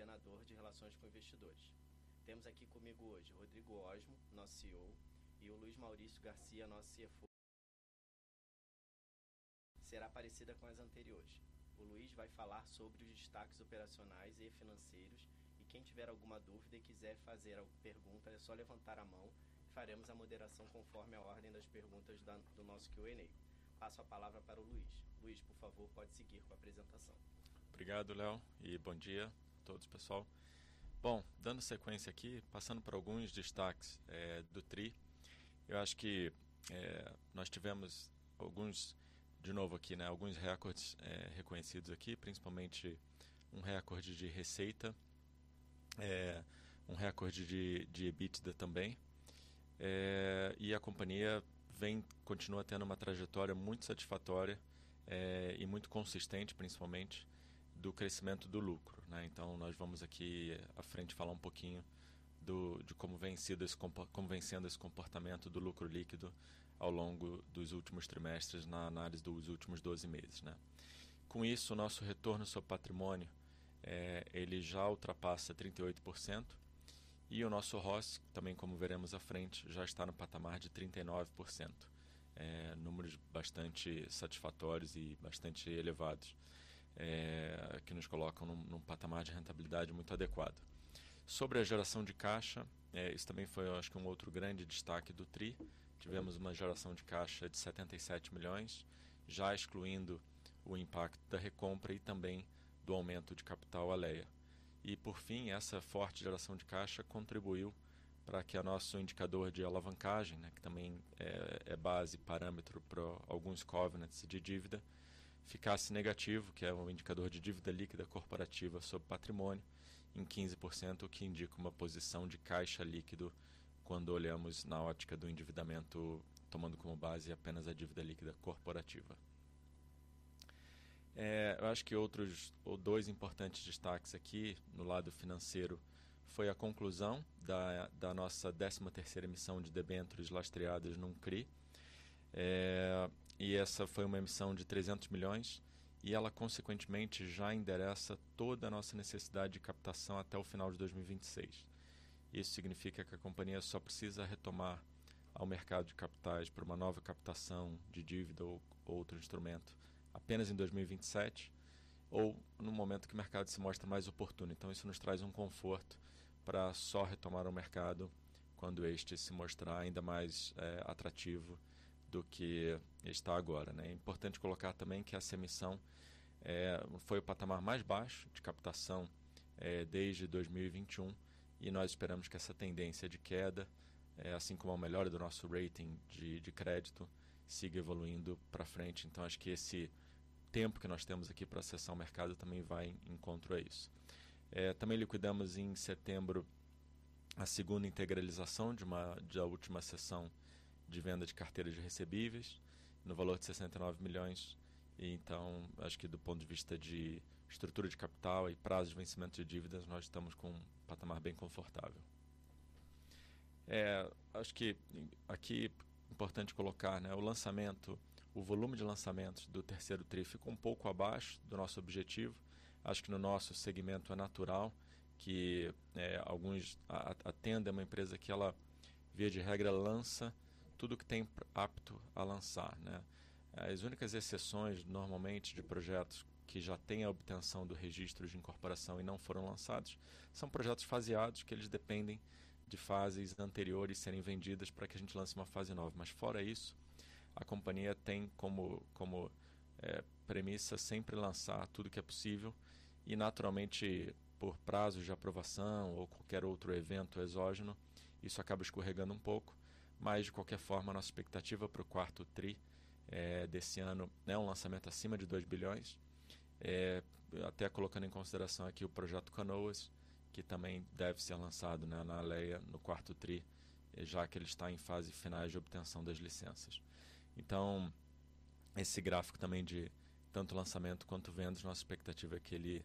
Coordenador de Relações com Investidores. Temos aqui comigo hoje o Rodrigo Osmo, nosso CEO, e o Luiz Maurício Garcia, nosso CFO. Será parecida com as anteriores. O Luiz vai falar sobre os destaques operacionais e financeiros e quem tiver alguma dúvida e quiser fazer alguma pergunta, é só levantar a mão e faremos a moderação conforme a ordem das perguntas do nosso Q&A. Passo a palavra para o Luiz. Luiz, por favor, pode seguir com a apresentação. Obrigado, Léo, e bom dia a todos, pessoal. Bom, dando sequência aqui, passando pra alguns destaques, do tri, eu acho que, nós tivemos alguns, de novo aqui, alguns recordes, reconhecidos aqui, principalmente um recorde de receita, um recorde de EBITDA também, e a companhia continua tendo uma trajetória muito satisfatória, e muito consistente, principalmente do crescimento do lucro. Então nós vamos aqui à frente falar um pouquinho de como vem sendo esse comportamento do lucro líquido ao longo dos últimos trimestres na análise dos últimos 12 meses. Com isso, o nosso retorno sobre patrimônio, ele já ultrapassa 38% e o nosso ROS, também como veremos à frente, já está no patamar de 39%, números bastante satisfatórios e bastante elevados, que nos colocam num patamar de rentabilidade muito adequado. Sobre a geração de caixa, isso também foi eu acho que um outro grande destaque do tri. Tivemos uma geração de caixa de 77 milhões, já excluindo o impacto da recompra e também do aumento de capital Alea. Por fim, essa forte geração de caixa contribuiu pra que o nosso indicador de alavancagem, né, que também é base parâmetro pra alguns covenants de dívida, ficasse negativo, que é o indicador de dívida líquida corporativa sobre patrimônio em 15%, o que indica uma posição de caixa líquido quando olhamos na ótica do endividamento, tomando como base apenas a dívida líquida corporativa. Eu acho que outros dois importantes destaques aqui no lado financeiro foi a conclusão da nossa 13ª emissão de debêntures lastreadas num CRI. Essa foi uma emissão de 300 milhões e ela consequentemente já endereça toda a nossa necessidade de captação até o final de 2026. Isso significa que a companhia só precisa retornar ao mercado de capitais pra uma nova captação de dívida ou outro instrumento apenas em 2027 ou no momento que o mercado se mostra mais oportuno. Isso nos traz um conforto pra só retornar ao mercado quando este se mostrar ainda mais atrativo do que está agora, né? É importante colocar também que essa emissão foi o patamar mais baixo de captação desde 2021 e nós esperamos que essa tendência de queda, assim como a melhora do nosso rating de crédito, siga evoluindo pra frente. Acho que esse tempo que nós temos aqui pra acessar o mercado também vai de encontro a isso. Também liquidamos em setembro a segunda integralização de uma última sessão de venda de carteira de recebíveis no valor de 69 milhões. Acho que do ponto de vista de estrutura de capital e prazo de vencimento de dívidas, nós estamos com um patamar bem confortável. Acho que aqui é importante colocar, né, o lançamento, o volume de lançamentos do terceiro tri ficou um pouco abaixo do nosso objetivo. Acho que no nosso segmento é natural que a Tenda é uma empresa que ela, via de regra, lança tudo que tem apto a lançar, né? As únicas exceções, normalmente, de projetos que já têm a obtenção do registro de incorporação e não foram lançados, são projetos faseados, que eles dependem de fases anteriores serem vendidas pra que a gente lance uma fase nova. Fora isso, a companhia tem como premissa sempre lançar tudo que é possível e naturalmente, por prazo de aprovação ou qualquer outro evento exógeno, isso acaba escorregando um pouco. De qualquer forma, nossa expectativa pro quarto tri desse ano é um lançamento acima de 2 bilhões, até colocando em consideração aqui o projeto Canoas, que também deve ser lançado na Alea no quarto tri, já que ele está em fases finais de obtenção das licenças. Esse gráfico também de tanto lançamento quanto vendas, nossa expectativa é que ele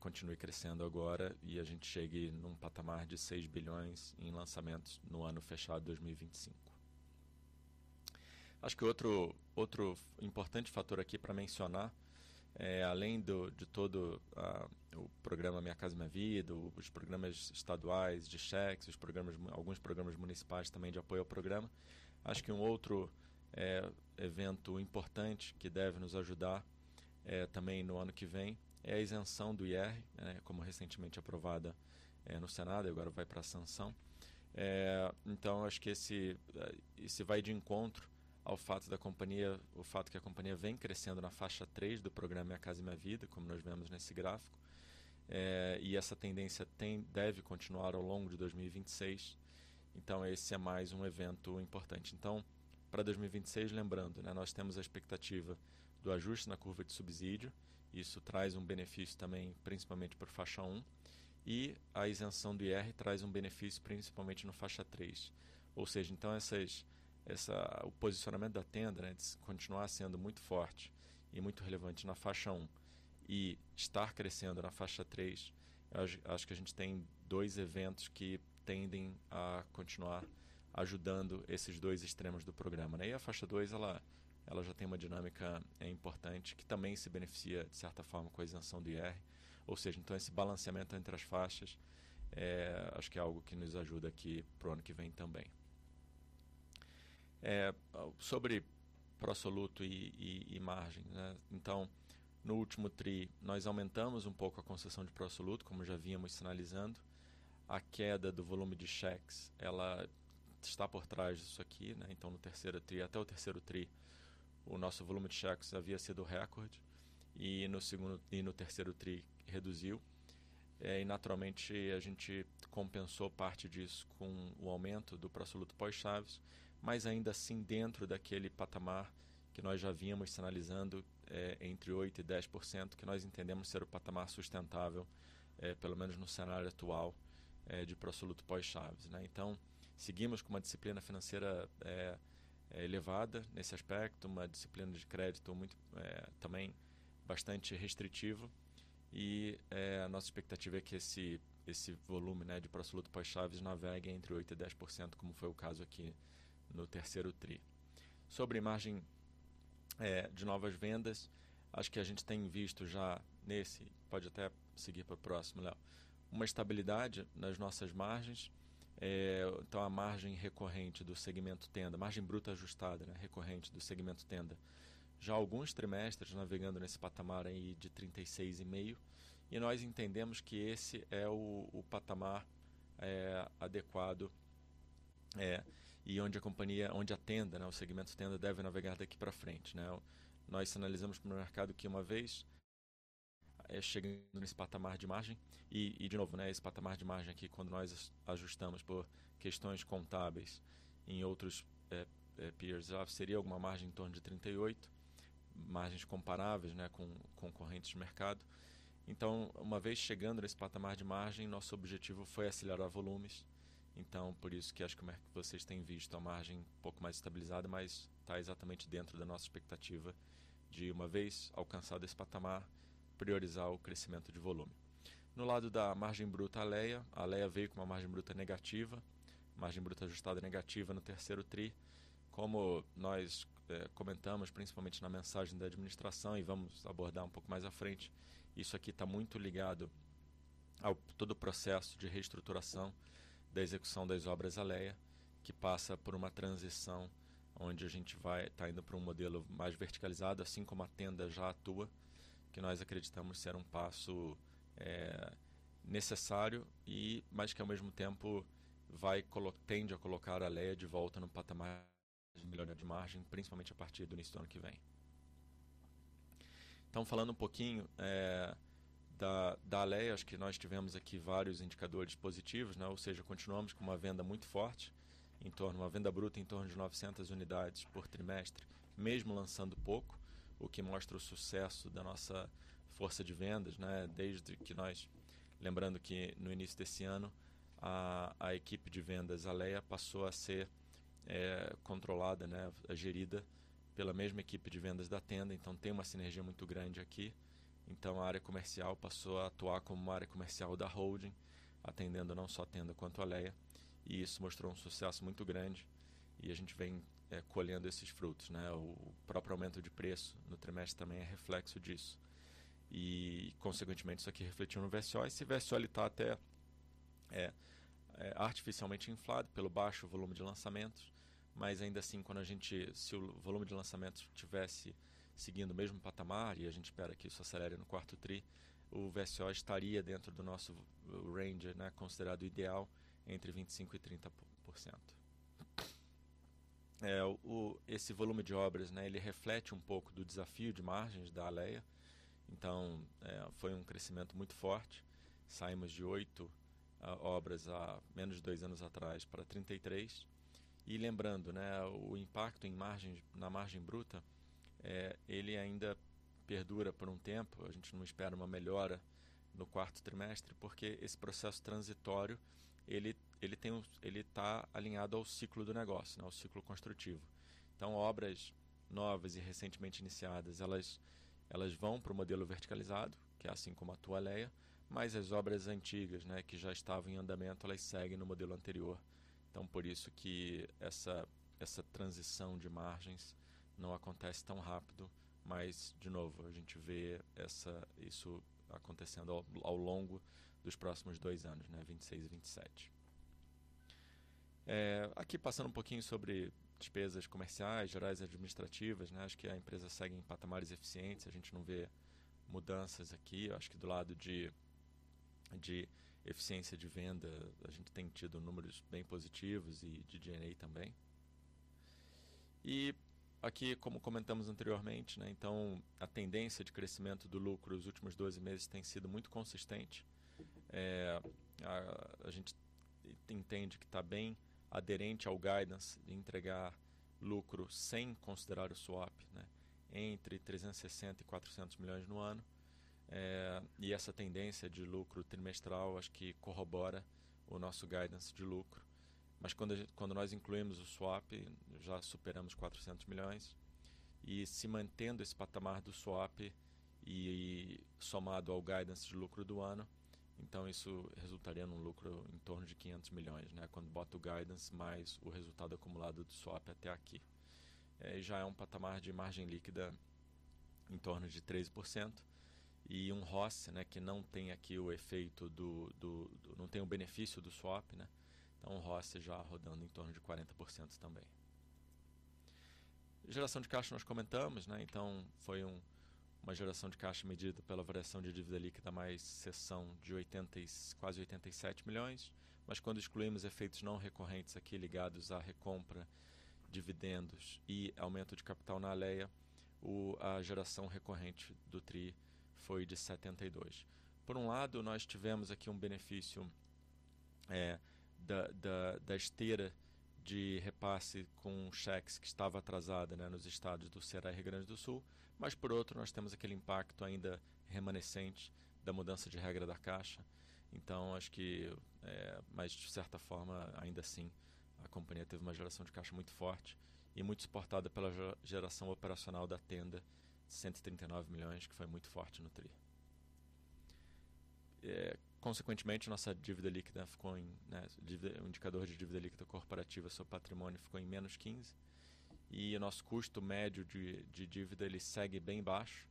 continue crescendo agora e a gente chegue num patamar de 6 bilhões em lançamentos no ano fechado de 2025. Acho que outro importante fator aqui pra mencionar é, além do de todo o programa Minha Casa, Minha Vida, os programas estaduais de cheques, alguns programas municipais também de apoio ao programa. Acho que um outro evento importante que deve nos ajudar é também no ano que vem a isenção do IR, né, como recentemente aprovada no Senado e agora vai pra sanção. Então acho que isso vai de encontro ao fato da companhia, o fato que a companhia vem crescendo na faixa três do programa Minha Casa, Minha Vida, como nós vemos nesse gráfico, e essa tendência deve continuar ao longo de 2026. Então esse é mais um evento importante. Então, pra 2026, lembrando, né, nós temos a expectativa do ajuste na curva de subsídio. Isso traz um benefício também principalmente pra faixa um, e a isenção do IR traz um benefício principalmente na faixa três. Ou seja, o posicionamento da Tenda, né, de continuar sendo muito forte e muito relevante na faixa um e estar crescendo na faixa três, acho que a gente tem dois eventos que tendem a continuar ajudando esses dois extremos do programa, né? E a faixa dois ela já tem uma dinâmica importante que também se beneficia, de certa forma, com a isenção do IR. Ou seja, esse balanceamento entre as faixas, acho que é algo que nos ajuda aqui pro ano que vem também. Sobre pró-soluto e margem, né? Então, no último tri nós aumentamos um pouco a concessão de pró-soluto, como já vínhamos sinalizando. A queda do volume de cheques, ela está por trás disso aqui, né? Até o terceiro tri, o nosso volume de cheques havia sido recorde e no terceiro tri reduziu. Naturalmente a gente compensou parte disso com o aumento do pró-soluto pós Chaves, mas ainda assim dentro daquele patamar que nós já vínhamos sinalizando, entre 8%-10%, que nós entendemos ser o patamar sustentável, pelo menos no cenário atual, de pró-soluto pós Chaves, né? Seguimos com uma disciplina financeira elevada nesse aspecto, uma disciplina de crédito muito também bastante restritiva. A nossa expectativa é que esse volume, né, de pró-soluto pós Chaves navegue entre 8%-10%, como foi o caso aqui no terceiro tri. Sobre a margem de novas vendas, acho que a gente tem visto já pode até seguir pra próxima, Léo. Uma estabilidade nas nossas margens. A margem recorrente do segmento Tenda, a margem bruta ajustada, né, recorrente do segmento Tenda, já há alguns trimestres navegando nesse patamar aí de 36.5%. Nós entendemos que esse é o patamar adequado, e onde a Tenda, né, o segmento Tenda deve navegar daqui pra frente, né? Nós sinalizamos pro mercado que uma vez chegando nesse patamar de margem, e de novo, né, esse patamar de margem aqui, quando nós ajustamos por questões contábeis em outros, peers, seria alguma margem em torno de 38%, margens comparáveis, né, com concorrentes de mercado. Uma vez chegando nesse patamar de margem, nosso objetivo foi acelerar volumes. Por isso que acho que vocês têm visto a margem um pouco mais estabilizada, mas tá exatamente dentro da nossa expectativa de, uma vez alcançado esse patamar, priorizar o crescimento de volume. No lado da margem bruta Alea, veio com uma margem bruta negativa, margem bruta ajustada negativa no terceiro tri. Como nós comentamos, principalmente na mensagem da administração, e vamos abordar um pouco mais à frente, isso aqui tá muito ligado a todo o processo de reestruturação da execução das obras Alea, que passa por uma transição onde a gente tá indo pra um modelo mais verticalizado, assim como a Tenda já atua, que nós acreditamos ser um passo necessário e mas que ao mesmo tempo tende a colocar a Alea de volta no patamar de melhoria de margem, principalmente a partir do início do ano que vem. Falando um pouquinho da Alea, acho que nós tivemos aqui vários indicadores positivos, né? Ou seja, continuamos com uma venda muito forte, uma venda bruta em torno de 900 unidades por trimestre, mesmo lançando pouco, o que mostra o sucesso da nossa força de vendas, né? Lembrando que no início desse ano, a equipe de vendas Alea passou a ser controlada, né, gerida pela mesma equipe de vendas da Tenda, tem uma sinergia muito grande aqui. A área comercial passou a atuar como área comercial da holding, atendendo não só a Tenda quanto a Alea, e isso mostrou um sucesso muito grande e a gente vem colhendo esses frutos, né? O próprio aumento de preço no trimestre também é reflexo disso. Consequentemente, isso aqui refletiu no VSO, e esse VSO ele tá até artificialmente inflado pelo baixo volume de lançamentos, mas ainda assim, quando se o volume de lançamentos tivesse seguindo o mesmo patamar, e a gente espera que isso acelere no quarto tri, o VSO estaria dentro do nosso range, né, considerado ideal entre 25%-30%. Esse volume de obras, né, ele reflete um pouco do desafio de margens da Alea. Então, foi um crescimento muito forte. Saímos de 8 obras há menos de 2 anos atrás para 33. Lembrando, né, o impacto na margem bruta, ele ainda perdura por um tempo. A gente não espera uma melhora no quarto trimestre, porque esse processo transitório, ele tá alinhado ao ciclo do negócio, né, ao ciclo construtivo. Obras novas e recentemente iniciadas, elas vão pro modelo verticalizado, que é assim como atua a Alea, mas as obras antigas, né, que já estavam em andamento, elas seguem no modelo anterior. Por isso que essa transição de margens não acontece tão rápido. Mas, de novo, a gente vê isso acontecendo ao longo dos próximos dois anos, né, 2026 e 2027. Aqui passando um pouquinho sobre despesas comerciais gerais administrativas, né, acho que a empresa segue em patamares eficientes. A gente não vê mudanças aqui. Acho que do lado de eficiência de venda, a gente tem tido números bem positivos e de D&A também. E aqui, como comentamos anteriormente, né, a tendência de crescimento do lucro nos últimos 12 meses tem sido muito consistente. A gente entende que tá bem aderente ao guidance de entregar lucro sem considerar o swap, né, entre 360 million-400 million no ano. Essa tendência de lucro trimestral acho que corrobora o nosso guidance de lucro. Mas quando nós incluímos o swap, já superamos 400 million. Se mantendo esse patamar do swap somado ao guidance de lucro do ano, então isso resultaria num lucro em torno de 500 million, né, quando bota o guidance mais o resultado acumulado do swap até aqui. Já é um patamar de margem líquida em torno de 13% e um ROC, né, que não tem aqui o benefício do swap, né. O ROC já rodando em torno de 40% também. Geração de caixa nós comentamos, né, então foi uma geração de caixa medida pela variação de dívida líquida mais cessão de 80 e quase 87 milhões. Mas quando excluímos efeitos não recorrentes aqui ligados à recompra, dividendos e aumento de capital na Alea, a geração recorrente do tri foi de 72. Por um lado, nós tivemos aqui um benefício da esteira de repasse com cheques que estava atrasada, né, nos estados do Ceará e Rio Grande do Sul, mas por outro, nós temos aquele impacto ainda remanescente da mudança de regra da Caixa. Acho que, mas de certa forma, ainda assim, a companhia teve uma geração de caixa muito forte e muito suportada pela geração operacional da Tenda, 139 milhões, que foi muito forte no tri. Consequentemente, o indicador de dívida líquida corporativa sobre patrimônio ficou em -15 e nosso custo médio de dívida ele segue bem baixo,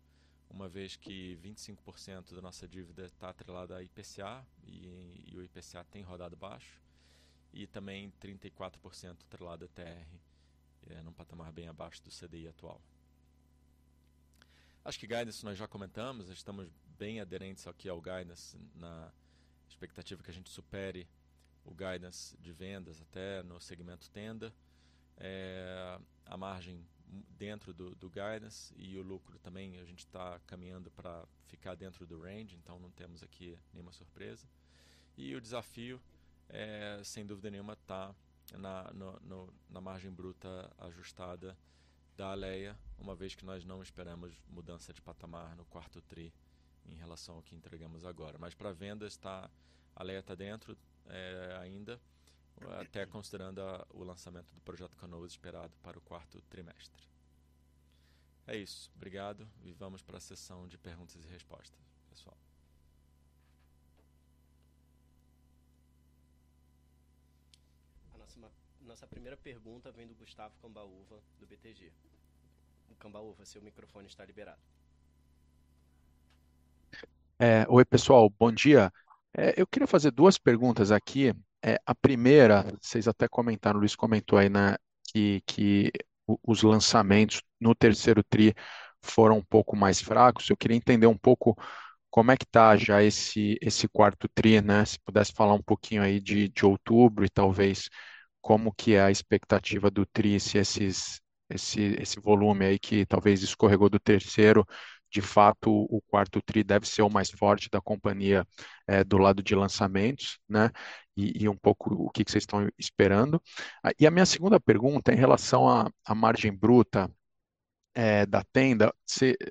uma vez que 25% da nossa dívida tá atrelada à IPCA e o IPCA tem rodado baixo, e também 34% atrelado à TR, num patamar bem abaixo do CDI atual. Acho que guidance nós já comentamos, estamos bem aderentes aqui ao guidance na expectativa que a gente supere o guidance de vendas até no segmento Tenda. A margem dentro do guidance e o lucro também, a gente tá caminhando pra ficar dentro do range, então não temos aqui nenhuma surpresa. O desafio, sem dúvida nenhuma, tá na margem bruta ajustada da Alea, uma vez que nós não esperamos mudança de patamar no quarto tri em relação ao que entregamos agora. Mas pra vendas Alea tá dentro, ainda, até considerando o lançamento do projeto Canoas, esperado para o quarto trimestre. É isso. Obrigado. Vamos pra sessão de perguntas e respostas, pessoal. nossa primeira pergunta vem do Gustavo Cambauva, do BTG. Cambauva, seu microfone está liberado. Oi, pessoal, bom dia. Eu queria fazer duas perguntas aqui. A primeira, cês até comentaram, o Luiz comentou aí, né, que os lançamentos no terceiro tri foram um pouco mais fracos. Eu queria entender um pouco como é que tá já esse quarto tri, né? Se pudesse falar um pouquinho aí de outubro e talvez como que é a expectativa do tri, se esse volume aí que talvez escorregou do terceiro, de fato, o quarto tri deve ser o mais forte da companhia, do lado de lançamentos, né? Um pouco o que que cês tão esperando. E a minha segunda pergunta é em relação à margem bruta, é, da Tenda.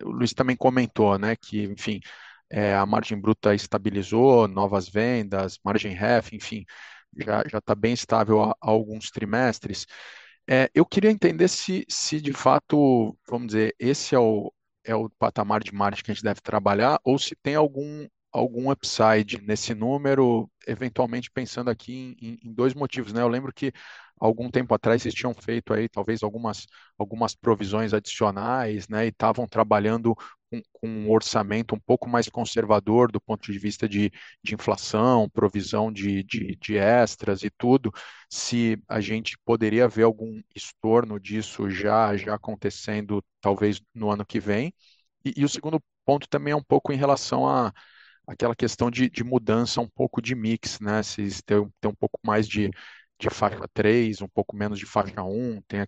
O Luiz também comentou, né, que enfim, a margem bruta estabilizou novas vendas, Margem REF, enfim, já tá bem estável há alguns trimestres. Eu queria entender se de fato, vamos dizer, esse é o patamar de margem que a gente deve trabalhar ou se tem algum upside nesse número, eventualmente pensando aqui em dois motivos, né? Eu lembro que algum tempo atrás vocês tinham feito aí talvez algumas provisões adicionais, né, e estavam trabalhando com um orçamento um pouco mais conservador do ponto de vista de inflação, provisão de extras e tudo, se a gente poderia ver algum estorno disso já acontecendo talvez no ano que vem. O segundo ponto também é um pouco em relação àquela questão de mudança um pouco de mix, né? Vocês têm um pouco mais de faixa três, um pouco menos de faixa um, tem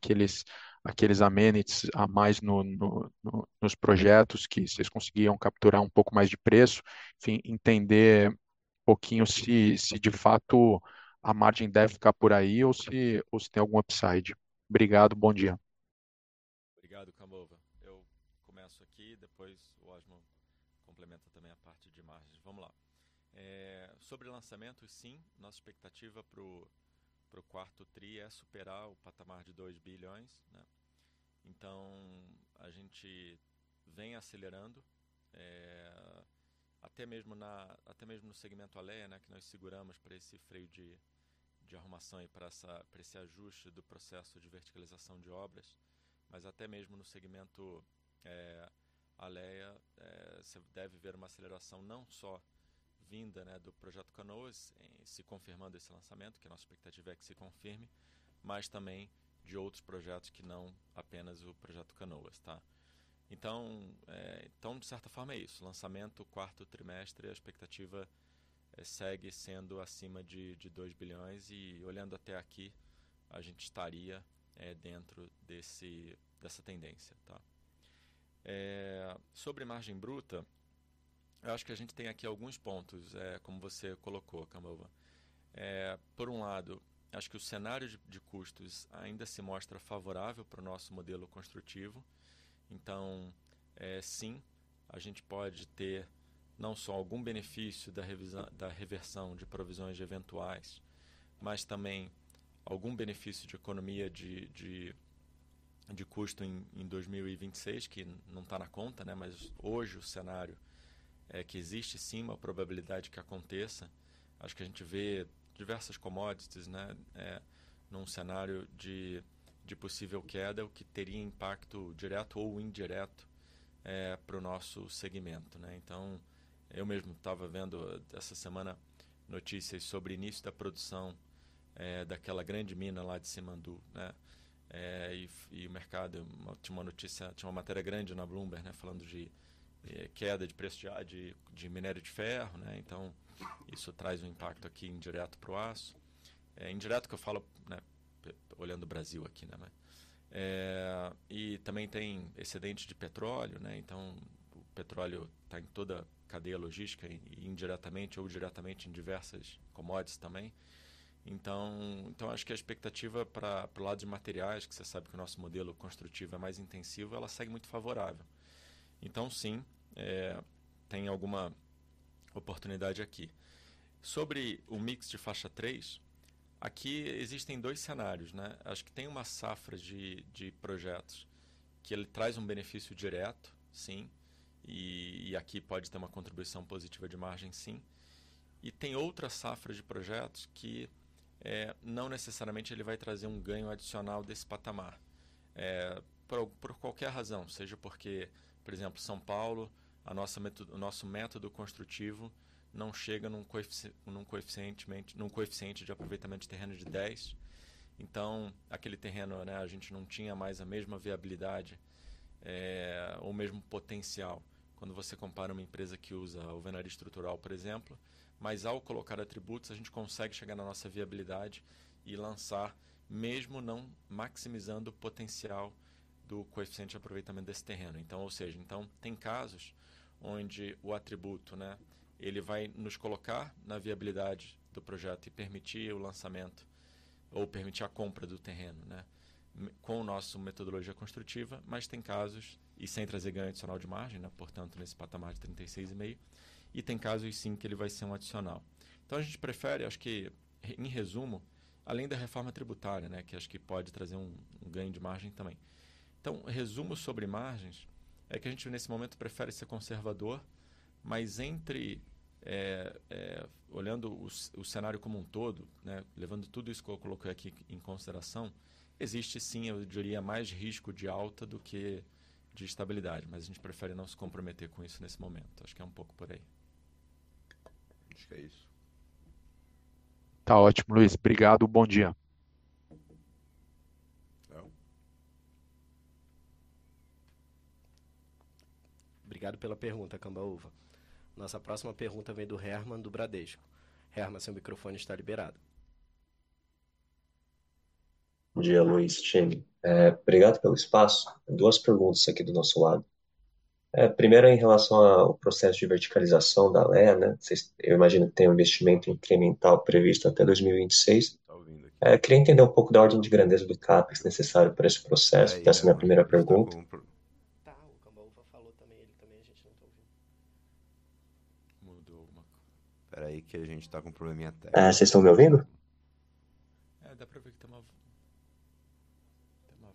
aqueles amenities a mais nos projetos que vocês conseguiam capturar um pouco mais de preço. Enfim, entender um pouquinho se de fato a margem deve ficar por aí ou se tem algum upside. Obrigado, bom dia. Obrigado, Cambauva. Eu começo aqui, depois o Osmo complementa também a parte de margens. Vamos lá. Sobre lançamentos, sim, nossa expectativa pro quarto tri é superar o patamar de 2 billion, né? Então a gente vem acelerando, até mesmo no segmento Alea, né, que nós seguramos pra esse freio de arrumação aí pra esse ajuste do processo de verticalização de obras. Mas até mesmo no segmento Alea, deve haver uma aceleração não só vinda, né, do projeto Canoas, em se confirmando esse lançamento, que nossa expectativa é que se confirme, mas também de outros projetos que não apenas o projeto Canoas, tá? De certa forma é isso, lançamento quarto trimestre, a expectativa segue sendo acima de 2 billion e olhando até aqui, a gente taria dentro dessa tendência, tá? Sobre margem bruta, eu acho que a gente tem aqui alguns pontos, como você colocou, Cambauva. Por um lado, acho que o cenário de custos ainda se mostra favorável pro nosso modelo construtivo. Sim, a gente pode ter não só algum benefício da reversão de provisões de eventuais, mas também algum benefício de economia de custo em 2026, que não tá na conta, né, mas hoje o cenário é que existe, sim, uma probabilidade que aconteça. Acho que a gente vê diversas commodities, né, num cenário de possível queda, o que teria impacto direto ou indireto, pro nosso segmento, né. Eu mesmo tava vendo essa semana notícias sobre início da produção, daquela grande mina lá de Simandou, e o mercado tinha uma notícia, uma matéria grande na Bloomberg, falando de queda de preço de minério de ferro, então isso traz um impacto aqui indireto pro aço. Indireto que eu falo, olhando o Brasil aqui, mas. Também tem excedente de petróleo, então o petróleo tá em toda a cadeia logística, indiretamente ou diretamente em diversas commodities também. Acho que a expectativa para o lado de materiais, que cê sabe que o nosso modelo construtivo é mais intensivo, ela segue muito favorável. Sim, tem alguma oportunidade aqui. Sobre o mix de faixa três, aqui existem dois cenários. Acho que tem uma safra de projetos que ele traz um benefício direto, sim, e aqui pode ter uma contribuição positiva de margem, sim. Tem outra safra de projetos que não necessariamente ele vai trazer um ganho adicional desse patamar. Por qualquer razão, seja porque, por exemplo, São Paulo, o nosso método construtivo não chega num coeficiente de aproveitamento de terreno de 10. Então aquele terreno, né, a gente não tinha mais a mesma viabilidade, ou o mesmo potencial. Quando você compara uma empresa que usa alvenaria estrutural, por exemplo, mas ao colocar atributos, a gente consegue chegar na nossa viabilidade e lançar, mesmo não maximizando o potencial do coeficiente de aproveitamento desse terreno. Ou seja, tem casos onde o atributo, né, ele vai nos colocar na viabilidade do projeto e permitir o lançamento ou permitir a compra do terreno, né, com o nosso metodologia construtiva, mas tem casos e sem trazer ganho adicional de margem, né, portanto, nesse patamar de 36.5%. Tem casos, sim, que ele vai ser um adicional. A gente prefere, acho que em resumo, além da Reforma Tributária, né, que acho que pode trazer um ganho de margem também. Resumo sobre margens é que a gente nesse momento prefere ser conservador, mas entre olhando o cenário como um todo, né, levando tudo isso que eu coloquei aqui em consideração, existe sim, eu diria, mais risco de alta do que de estabilidade, mas a gente prefere não se comprometer com isso nesse momento. Acho que é um pouco por aí. Acho que é isso. Tá ótimo, Luiz. Obrigado, bom dia. Tá bom. Obrigado pela pergunta, Cambauva. Nossa próxima pergunta vem do Herman, do Bradesco. Herman, seu microfone está liberado. Bom dia, Luiz, time. Obrigado pelo espaço. Duas perguntas aqui do nosso lado. Primeira em relação ao processo de verticalização da Alea, né? Eu imagino que tenha um investimento incremental previsto até 2026. Não tô ouvindo aqui. Queria entender um pouco da ordem de grandeza do CapEx necessário pra esse processo. Essa é minha primeira pergunta. Tá, o Cambauva falou também, ele também, a gente não tá ouvindo. Pera aí que a gente tá com um probleminha técnico. É, cês tão me ouvindo? Dá pra ver que tem uma voz no final.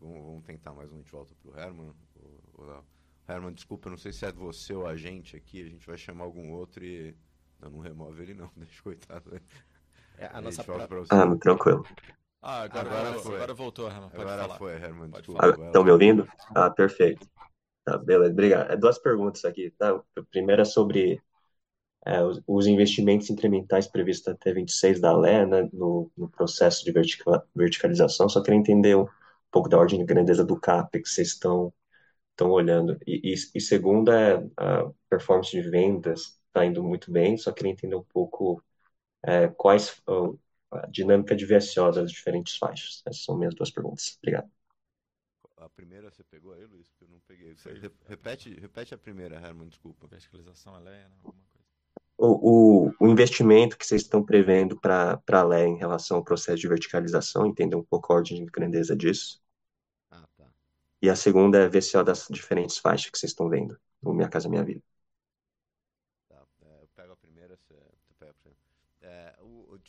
Vamo tentar mais uma e a gente volta pro Herman ou lá. Herman, desculpa, eu não sei se é você ou a gente aqui, a gente vai chamar algum outro e não remove ele não, deixa o coitado aí. É, a nossa próxima- Tranquilo. Agora foi. Agora voltou, Herman, pode falar. Agora foi, Herman, desculpa. Estão me ouvindo? Perfeito. Tá, beleza, obrigado. 2 perguntas aqui. A primeira é sobre os investimentos incrementais previstos até 2026 da Alea, no processo de verticalização. Só queria entender um pouco da ordem de grandeza do Capex que cês tão olhando. Segunda é a performance de vendas tá indo muito bem, só queria entender um pouco a dinâmica de VSO das diferentes faixas. Essas são minhas 2 perguntas. Obrigado. A primeira cê pegou aí, Luiz? Que eu não peguei. Repete a primeira, Herman, desculpa. Verticalização, Léo, né, alguma coisa. O investimento que cês tão prevendo pra Léo em relação ao processo de verticalização, entender um pouco a ordem de grandeza disso? Tá. A segunda é VSO das diferentes faixas que cês tão vendo no Minha Casa, Minha Vida.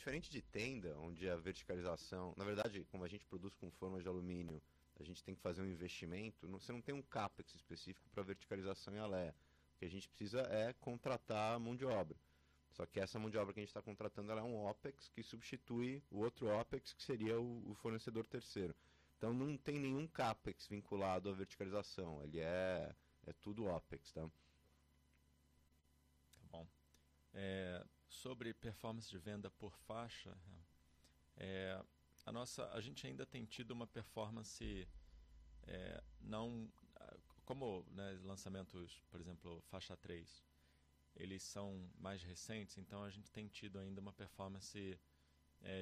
Tá, eu pego a primeira, cê, tu pega a outra. Diferente de Tenda, onde a verticalização, na verdade, como a gente produz com formas de alumínio, a gente tem que fazer um investimento, cê não tem um Capex específico pra verticalização em Alea. O que a gente precisa é contratar mão de obra. Só que essa mão de obra que a gente tá contratando, ela é um Opex que substitui o outro Opex, que seria o fornecedor terceiro. Então não tem nenhum Capex vinculado à verticalização, ali é tudo Opex, tá? Tá bom. Sobre performance de venda por faixa, a gente ainda tem tido uma performance não como os lançamentos, por exemplo, faixa 3, eles são mais recentes, então a gente tem tido ainda uma performance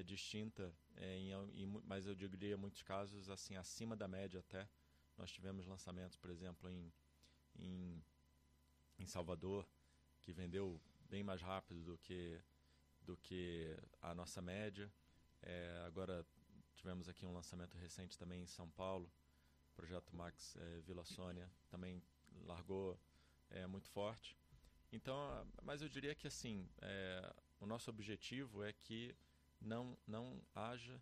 distinta em muitos casos, assim, acima da média até. Nós tivemos lançamentos, por exemplo, em Salvador, que vendeu bem mais rápido do que a nossa média. Agora tivemos aqui um lançamento recente também em São Paulo, projeto Max Vila Sônia, também largou muito forte. Mas eu diria que assim, o nosso objetivo é que não haja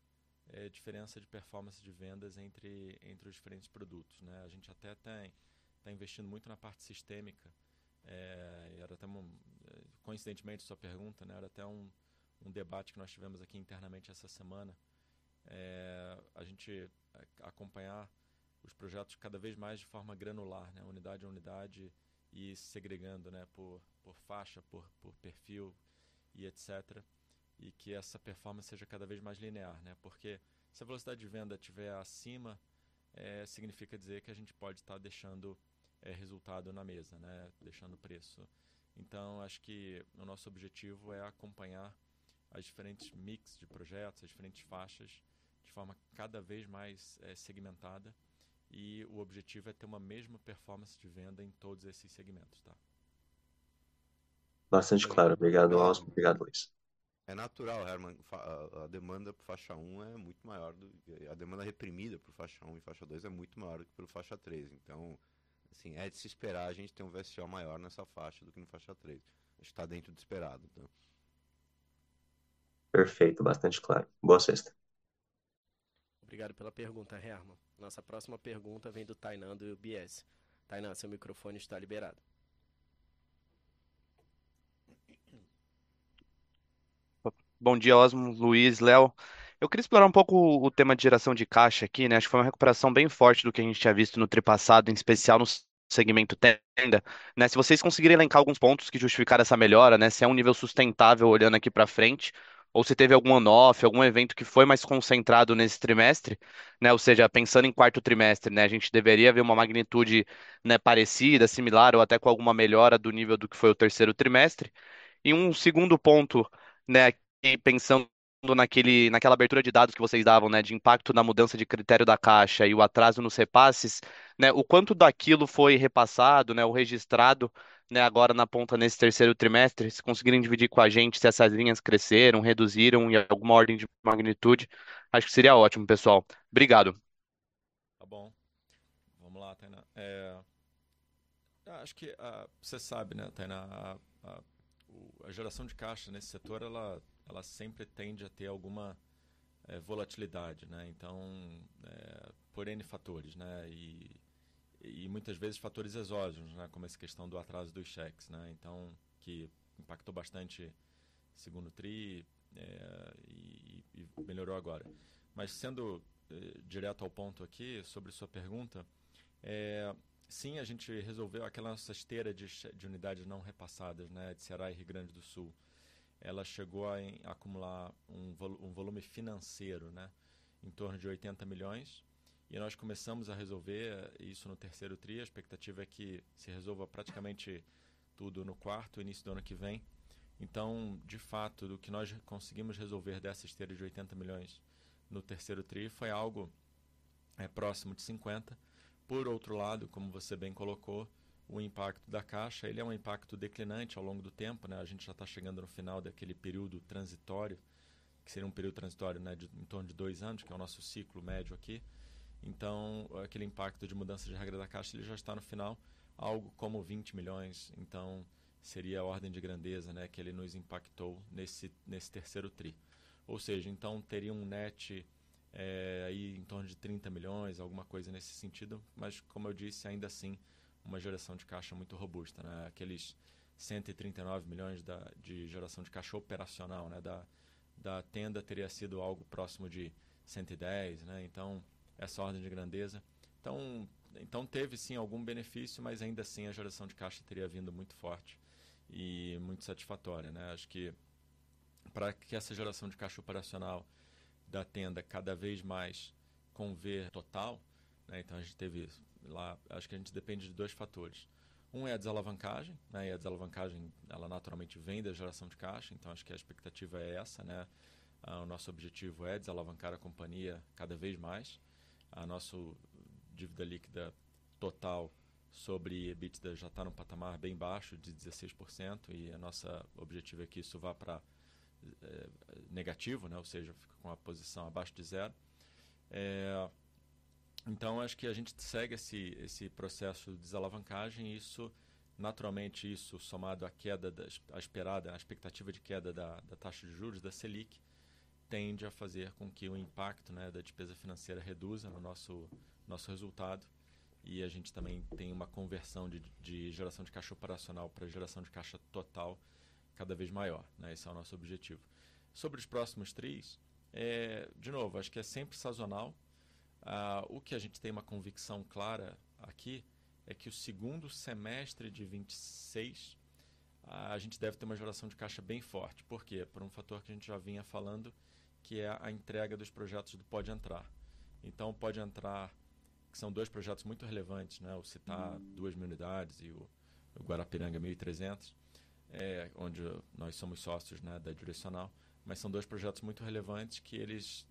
diferença de performance de vendas entre os diferentes produtos, né? A gente até tá investindo muito na parte sistêmica, era até coincidentemente sua pergunta, né, era até um debate que nós tivemos aqui internamente essa semana. A gente acompanhar os projetos cada vez mais de forma granular, né, unidade a unidade e segregando, né, por faixa, por perfil e etc. Que essa performance seja cada vez mais linear, né? Porque se a velocidade de venda tiver acima, significa dizer que a gente pode tá deixando resultado na mesa, né? Deixando preço. Acho que o nosso objetivo é acompanhar as diferentes mix de projetos, as diferentes faixas, de forma cada vez mais segmentada e o objetivo é ter uma mesma performance de venda em todos esses segmentos, tá? Bastante claro. Obrigado, Osmo. Obrigado, Luiz. É natural, Herman, a demanda por faixa 1 é muito maior do que a demanda reprimida por faixa 1 e faixa 2 é muito maior do que pelo faixa 3. Assim, é de se esperar a gente ter um VSO maior nessa faixa do que no faixa 3. A gente tá dentro do esperado, então. Perfeito, bastante claro. Boa sexta. Obrigado pela pergunta, Herman. Nossa próxima pergunta vem do Tainã Ubiergo. Tainã, seu microfone está liberado. Bom dia, Osmo, Luiz, Léo. Eu queria explorar um pouco o tema de geração de caixa aqui, né? Acho que foi uma recuperação bem forte do que a gente tinha visto no tri passado, em especial no segmento Tenda, né? Se vocês conseguirem elencar alguns pontos que justificaram essa melhora, né, se é um nível sustentável olhando aqui pra frente ou se teve algum one-off, algum evento que foi mais concentrado nesse trimestre, né? Ou seja, pensando em quarto trimestre, né, a gente deveria ver uma magnitude, né, parecida, similar ou até com alguma melhora do nível do que foi o terceiro trimestre. Um segundo ponto, né, que pensando naquela abertura de dados que vocês davam, né, de impacto na mudança de critério da Caixa e o atraso nos repasses, né, o quanto daquilo foi repassado, né, ou registrado, né, agora na ponta nesse terceiro trimestre, se conseguirem dividir com a gente se essas linhas cresceram, reduziram e alguma ordem de magnitude, acho que seria ótimo, pessoal. Obrigado. Tá bom. Vamo lá, Tainã. Acho que cê sabe, né, a geração de caixa nesse setor ela sempre tende a ter alguma volatilidade, né? Então, por N fatores, né? E muitas vezes fatores exógenos, né, como essa questão do atraso dos cheques, né? Então, que impactou bastante segundo tri e melhorou agora. Mas sendo direto ao ponto aqui sobre sua pergunta, sim, a gente resolveu aquela nossa esteira de unidades não repassadas, né, de Ceará e Rio Grande do Sul. Ela chegou a acumular um volume financeiro, né, em torno de 80 milhões, e nós começamos a resolver isso no terceiro tri. A expectativa é que se resolva praticamente tudo no quarto, início do ano que vem. De fato, do que nós conseguimos resolver dessa esteira de 80 milhões no terceiro tri foi algo próximo de 50 milhões. Por outro lado, como você bem colocou, o impacto da Caixa, ele é um impacto declinante ao longo do tempo, né? A gente já tá chegando no final daquele período transitório, que seria um período transitório, né, de em torno de 2 anos, que é o nosso ciclo médio aqui. Aquele impacto de mudança de regra da Caixa, ele já está no final, algo como 20 milhões. Seria a ordem de grandeza, né, que ele nos impactou nesse terceiro tri. Ou seja, teria um net, aí em torno de 30 milhões, alguma coisa nesse sentido, mas como eu disse, ainda assim uma geração de caixa muito robusta, né? Aqueles 139 milhões de geração de caixa operacional, né, da Tenda teria sido algo próximo de 110 milhões, né? Então essa ordem de grandeza. Então teve sim algum benefício, mas ainda assim a geração de caixa teria vindo muito forte e muito satisfatória, né? Acho que pra que essa geração de caixa operacional da Tenda cada vez mais conver total, né, então acho que a gente depende de dois fatores, um é a desalavancagem, né, e a desalavancagem ela naturalmente vem da geração de caixa, então acho que a expectativa é essa, né? O nosso objetivo é desalavancar a companhia cada vez mais. A nossa dívida líquida total sobre EBITDA já tá num patamar bem baixo de 16% e o nosso objetivo é que isso vá pra negativo, né? Ou seja, fica com a posição abaixo de zero. Acho que a gente segue esse processo de desalavancagem e isso naturalmente isso somado à queda esperada a expectativa de queda da taxa de juros da Selic tende a fazer com que o impacto né da despesa financeira reduza no nosso resultado. E a gente também tem uma conversão de geração de caixa operacional pra geração de caixa total cada vez maior né? Esse é o nosso objetivo. Sobre os próximos trimestres de novo acho que é sempre sazonal. O que a gente tem uma convicção clara aqui é que o segundo semestre de 2026 a gente deve ter uma geração de caixa bem forte. Por quê? Por um fator que a gente já vinha falando que é a entrega dos projetos do Pode Entrar. O Pode Entrar que são dois projetos muito relevantes né? Vou citar duas unidades e o Guarapiranga 1300, onde nós somos sócios, né, da Direcional, mas são dois projetos muito relevantes que eles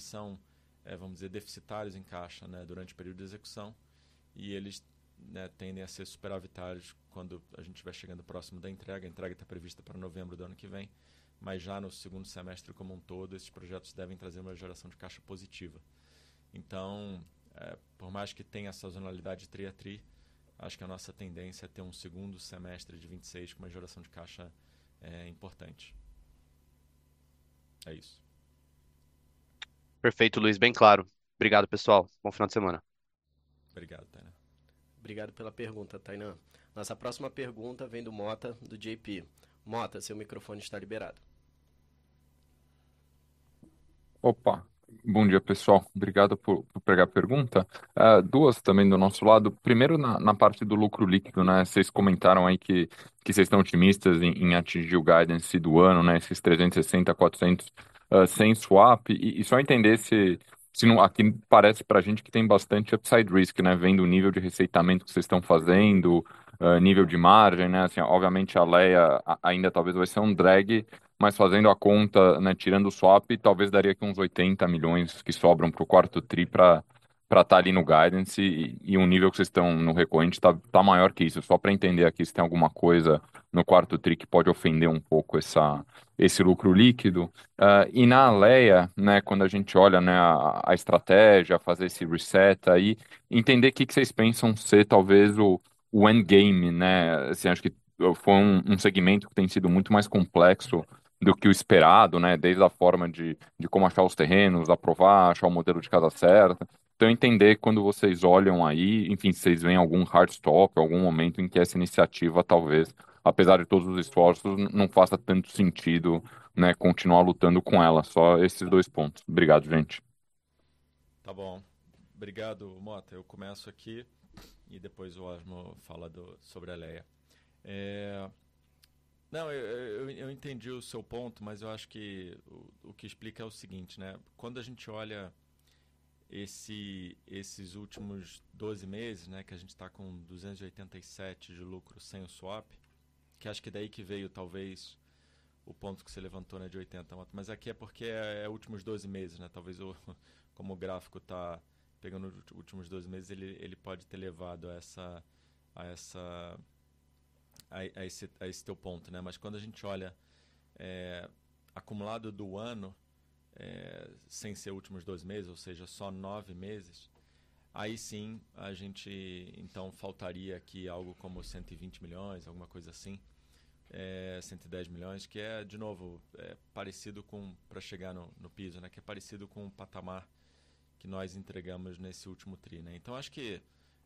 são, vamos dizer, deficitários em caixa, né, durante o período de execução e eles né, tendem a ser superavitários quando a gente tiver chegando próximo da entrega. A entrega tá prevista pra novembro do ano que vem, mas já no segundo semestre como um todo, esses projetos devem trazer uma geração de caixa positiva. Então, por mais que tenha essa sazonalidade tri a tri, acho que a nossa tendência é ter um segundo semestre de 2026 com uma geração de caixa importante. É isso. Perfeito, Luiz, bem claro. Obrigado, pessoal. Bom fim de semana. Obrigado, Tainã. Obrigado pela pergunta, Tainã. Nossa próxima pergunta vem do Mota, do JPMorgan. Mota, seu microfone está liberado. Opa, bom dia, pessoal. Obrigado por pegar a pergunta. Duas também do nosso lado. Primeiro na parte do lucro líquido, né? Cês comentaram aí que cês tão otimistas em atingir o guidance do ano, né? Esses 360 million-400 million sem swap. Só entender se não aqui parece pra gente que tem bastante upside risk, né? Vendo o nível de recebimento que cês tão fazendo, nível de margem, né? Assim, obviamente a Alea ainda talvez vai ser um drag, mas fazendo a conta, né, tirando o swap, talvez daria aqui uns 80 million que sobram pro quarto tri pra tá ali no guidance e um nível que cês tão no recorrente tá maior que isso. Só pra entender aqui se tem alguma coisa no quarto tri que pode ofender um pouco esse lucro líquido. Na Alea, né, quando a gente olha, né, a estratégia, fazer esse reset aí, entender que que cês pensam ser talvez o end game, né? Assim, acho que foi um segmento que tem sido muito mais complexo do que o esperado, né? Desde a forma de como achar os terrenos, aprovar, achar o modelo de casa certa. Entender quando vocês olham aí, enfim, cês veem algum hard stop, algum momento em que essa iniciativa talvez, apesar de todos os esforços, não faça tanto sentido, né, continuar lutando com ela. Só esses dois pontos. Obrigado, gente. Tá bom. Obrigado, Mota. Eu começo aqui e depois o Osmo fala sobre a Alea. Não, eu entendi o seu ponto, mas eu acho que o que explica é o seguinte, né: quando a gente olha esses últimos 12 meses, né, que a gente tá com 287 de lucro sem o swap, que acho que daí que veio talvez o ponto que cê levantou, né, de 80, Mota, mas aqui é porque é últimos 12 meses, né, talvez como o gráfico tá pegando os últimos 12 meses, ele pode ter levado a esse teu ponto, né? Quando a gente olha, acumulado do ano, sem ser últimos 12 meses, ou seja, só nove meses, aí sim a gente então faltaria aqui algo como 120 million, alguma coisa assim, 110 milhões, que é de novo, é parecido com pra chegar no piso, né, que é parecido com o patamar que nós entregamos nesse último tri, né? Então acho que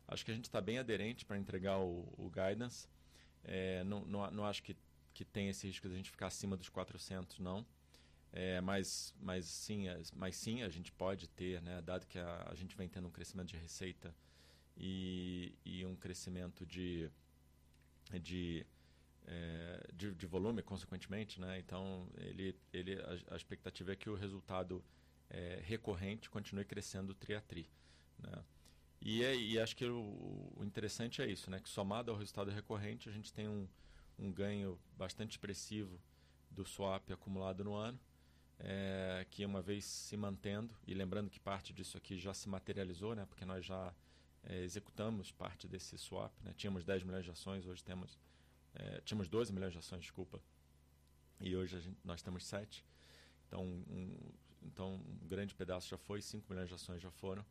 a gente tá bem aderente pra entregar o guidance. Não acho que tem esse risco da gente ficar acima dos 400, não. Mas sim, a gente pode ter, né, dado que a gente vem tendo um crescimento de receita e um crescimento de volume, consequentemente, né? Então a expectativa é que o resultado recorrente continue crescendo tri a tri, né? Acho que o interessante é isso, né, que somado ao resultado recorrente, a gente tem um ganho bastante expressivo do swap acumulado no ano, que uma vez se mantendo, e lembrando que parte disso aqui já se materializou, né, porque nós já executamos parte desse swap, né? Tínhamos 12 milhões de ações, desculpa, e hoje nós temos 7. Então, um grande pedaço já foi, 5 milhões de ações já foram,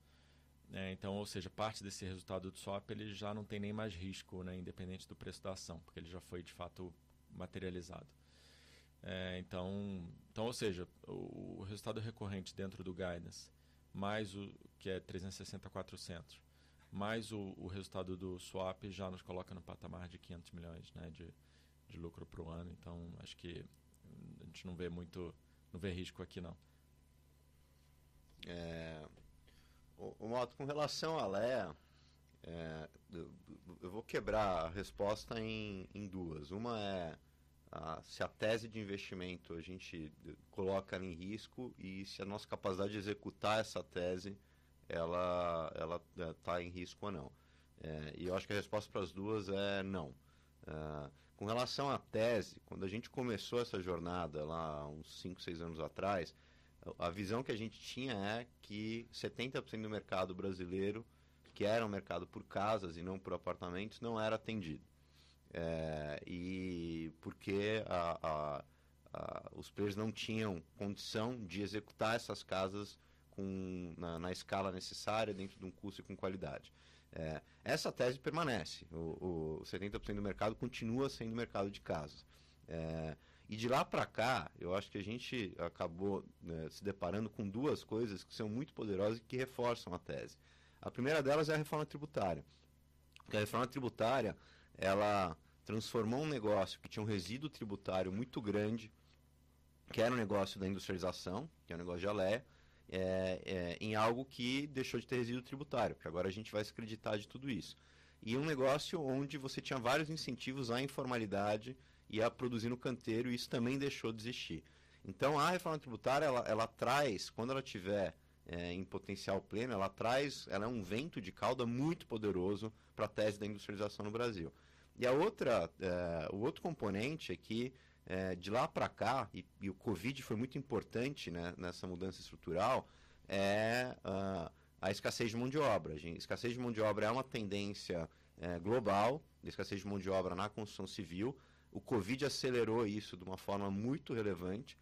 né, então, ou seja, parte desse resultado do swap, ele já não tem nem mais risco, né, independente do preço da ação, porque ele já foi de fato materializado. Ou seja, o resultado recorrente dentro do guidance, mais o que é 360 million-400 million, mais o resultado do swap já nos coloca no patamar de 500 million, né, de lucro pro ano. Acho que a gente não vê muito, não vê risco aqui, não. Mota, com relação à Alea, eu vou quebrar a resposta em duas. Uma é se a tese de investimento a gente coloca ela em risco e se a nossa capacidade de executar essa tese tá em risco ou não. Eu acho que a resposta pras duas é não. Com relação à tese, quando a gente começou essa jornada lá uns 5, 6 anos atrás, os players não tinham condição de executar essas casas na escala necessária, dentro dum custo e com qualidade. Essa tese permanece. 70% do mercado continua sendo mercado de casas. De lá pra cá, eu acho que a gente acabou, né, se deparando com duas coisas que são muito poderosas e que reforçam a tese. A primeira delas é a Reforma Tributária. Que a Reforma Tributária, ela transformou um negócio que tinha um resíduo tributário muito grande, que era o negócio da industrialização, que é o negócio de Alea, em algo que deixou de ter resíduo tributário, porque agora a gente vai se creditar de tudo isso. Um negócio onde você tinha vários incentivos à informalidade e a produzir no canteiro, isso também deixou de existir. Então a Reforma Tributária, ela traz, quando ela tiver em potencial pleno, ela é um vento de cauda muito poderoso pra tese da industrialização no Brasil. A outra, o outro componente é que, de lá pra cá, o Covid foi muito importante, né, nessa mudança estrutural, escassez de mão de obra, gente. Escassez de mão de obra é uma tendência global de escassez de mão de obra na construção civil. O Covid acelerou isso de uma forma muito relevante.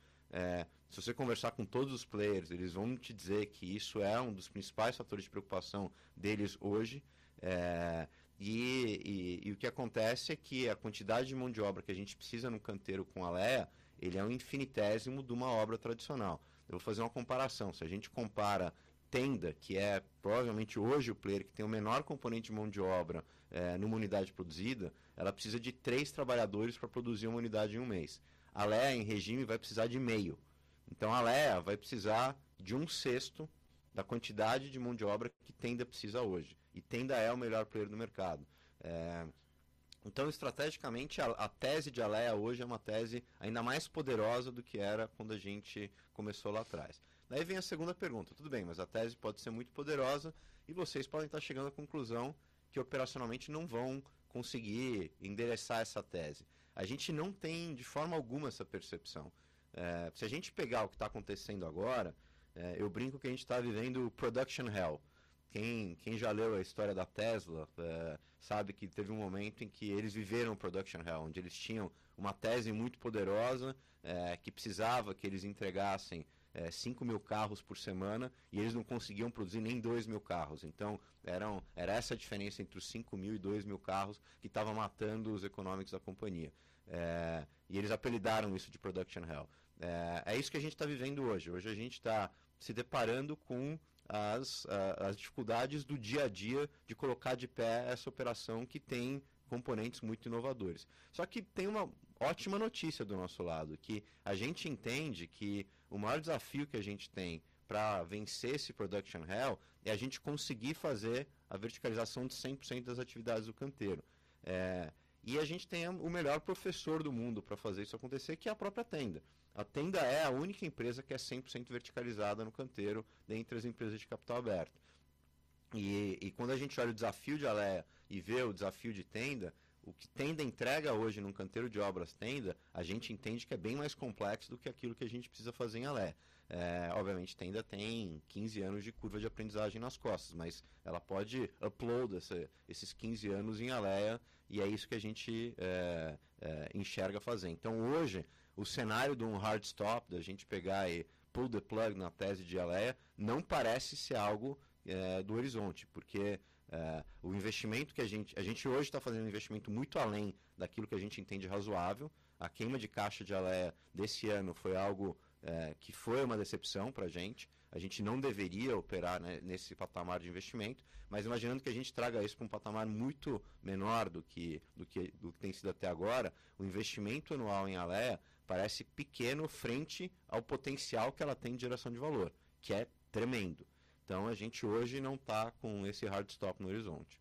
Se você conversar com todos os players, eles vão te dizer que isso é um dos principais fatores de preocupação deles hoje. O que acontece é que a quantidade de mão de obra que a gente precisa no canteiro com a Alea é um infinitésimo de uma obra tradicional. Eu vou fazer uma comparação. Se a gente compara Tenda, que é provavelmente hoje o player que tem o menor componente de mão de obra, numa unidade produzida, ela precisa de 3 trabalhadores pra produzir 1 unidade em 1 mês. Alea, em regime, vai precisar de meio. A Alea vai precisar de 1/6 da quantidade de mão de obra que Tenda precisa hoje, e Tenda é o melhor player do mercado. Estratégicamente, a tese de Alea hoje é uma tese ainda mais poderosa do que era quando a gente começou lá atrás. Vem a segunda pergunta: tudo bem, mas a tese pode ser muito poderosa e vocês podem tá chegando à conclusão que operacionalmente não vão conseguir endereçar essa tese. A gente não tem de forma alguma essa percepção. Se a gente pegar o que tá acontecendo agora, né, eu brinco que a gente tá vivendo o production hell. Quem já leu a história da Tesla sabe que teve um momento em que eles viveram o production hell, onde eles tinham uma tese muito poderosa, que precisava que eles entregassem 5,000 carros por semana e eles não conseguiam produzir nem 2,000 carros. Era essa diferença entre os 5,000 e 2,000 carros que tava matando os economics da companhia. Eles apelidaram isso de production hell. É isso que a gente tá vivendo hoje. Hoje a gente tá se deparando com as dificuldades do dia a dia de colocar de pé essa operação que tem componentes muito inovadores. Tem uma ótima notícia do nosso lado, que a gente entende que o maior desafio que a gente tem pra vencer esse production hell é a gente conseguir fazer a verticalização de 100% das atividades do canteiro. A gente tem o melhor professor do mundo pra fazer isso acontecer, que é a própria Tenda. A Tenda é a única empresa que é 100% verticalizada no canteiro dentre as empresas de capital aberto. Quando a gente olha o desafio de Alea e vê o desafio de Tenda, o que Tenda entrega hoje num canteiro de obras Tenda, a gente entende que é bem mais complexo do que aquilo que a gente precisa fazer em Alea. Obviamente, Tenda tem 15 anos de curva de aprendizagem nas costas, mas ela pode upload essa, esses 15 anos em Alea e é isso que a gente enxerga fazer. Hoje, o cenário de um hard stop, da gente pegar e pull the plug na tese de Alea, não parece ser algo do horizonte, porque o investimento que a gente hoje tá fazendo um investimento muito além daquilo que a gente entende razoável. A queima de caixa de Alea desse ano foi algo que foi uma decepção pra gente. A gente não deveria operar nesse patamar de investimento, mas imaginando que a gente traga isso pra um patamar muito menor do que tem sido até agora, o investimento anual em Alea parece pequeno frente ao potencial que ela tem de geração de valor, que é tremendo. A gente hoje não tá com esse hard stop no horizonte.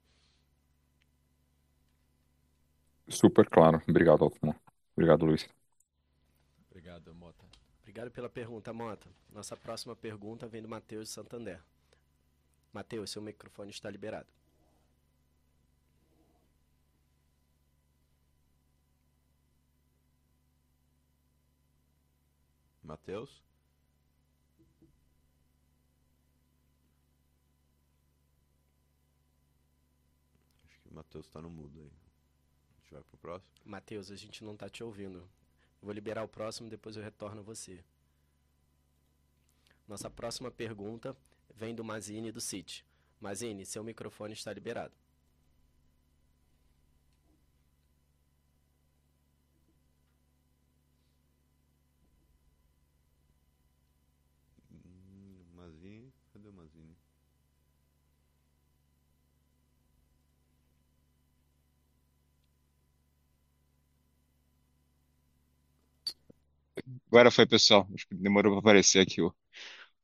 Super claro. Obrigado, Rodrigo Osmo. Obrigado, Luiz. Obrigado, Mota. Obrigado pela pergunta, Mota. Nossa próxima pergunta vem do Mateus, do Santander. Mateus, seu microfone está liberado. Mateus? Acho que o Mateus tá no mudo aí. A gente vai pro próximo? Mateus, a gente não tá te ouvindo. Vou liberar o próximo, depois eu retorno a você. Nossa próxima pergunta vem do Mazzini, do Citi. Mazzini, seu microfone está liberado. Mazini? Cadê o Mazini? Agora foi, pessoal. Acho que demorou pra aparecer aqui o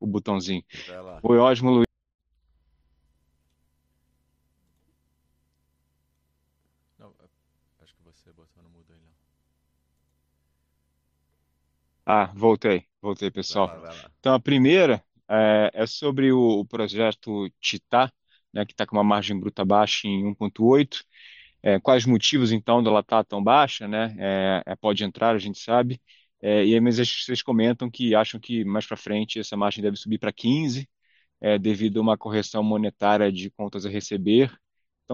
botãozinho. Vai lá. Oi, Osmo, Luiz. Não, acho que você botou no mudo ele, ó. Voltei. Voltei, pessoal. Vai lá. A primeira é sobre o projeto Città, né, que tá com uma margem bruta baixa em 1.8%. Quais motivos então dela tá tão baixa, né? Pode Entrar, a gente sabe. E aí vocês comentam que acham que mais pra frente essa margem deve subir pra 15% devido a uma correção monetária de contas a receber.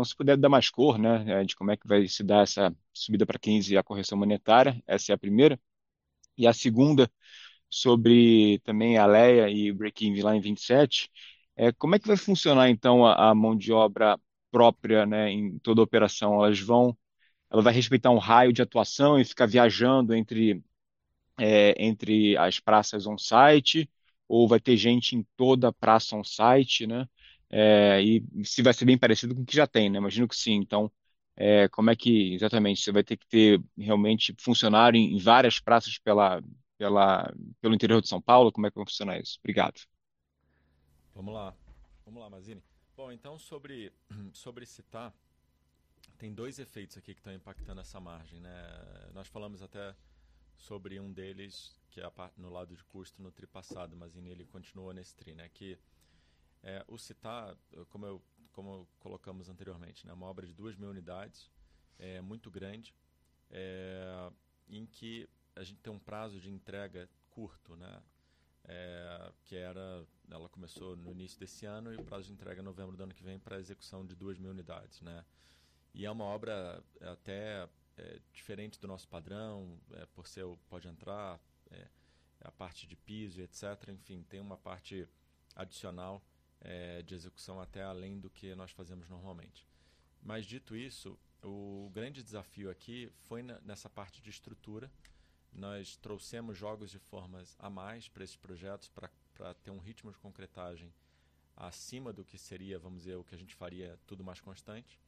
Se puder dar mais cor, né, de como é que vai se dar essa subida pra 15% e a correção monetária. Essa é a primeira. A segunda sobre também a Alea e o breaking ground em 2027. Como é que vai funcionar então a mão de obra própria, né, em toda a operação? Ela vai respeitar um raio de atuação e ficar viajando entre as praças on site ou vai ter gente em toda praça on site, né? se vai ser bem parecido com o que já tem, né? Imagino que sim. Como é que exatamente você vai ter que ter realmente funcionário em várias praças pelo interior de São Paulo, como é que vai funcionar isso? Obrigado. Vamo lá, Mazini. Bom, então sobre Città, tem dois efeitos aqui que tão impactando essa margem, né. Nós falamos até sobre um deles, que é no lado de custo no tri passado, Mazini, ele continua nesse tri, né. O Città, como colocamos anteriormente, né, uma obra de 2,000 unidades, é muito grande, em que a gente tem um prazo de entrega curto, né. Ela começou no início desse ano e o prazo de entrega é novembro do ano que vem pra execução de 2,000 unidades, né. É uma obra diferente do nosso padrão, por ser o Pode Entrar, a parte de piso e etc. Enfim, tem uma parte adicional de execução até além do que nós fazemos normalmente. Mas dito isso, o grande desafio aqui foi nessa parte de estrutura. Nós trouxemos jogos de formas a mais pra esses projetos pra ter um ritmo de concretagem acima do que seria, vamos dizer, o que a gente faria tudo mais constante.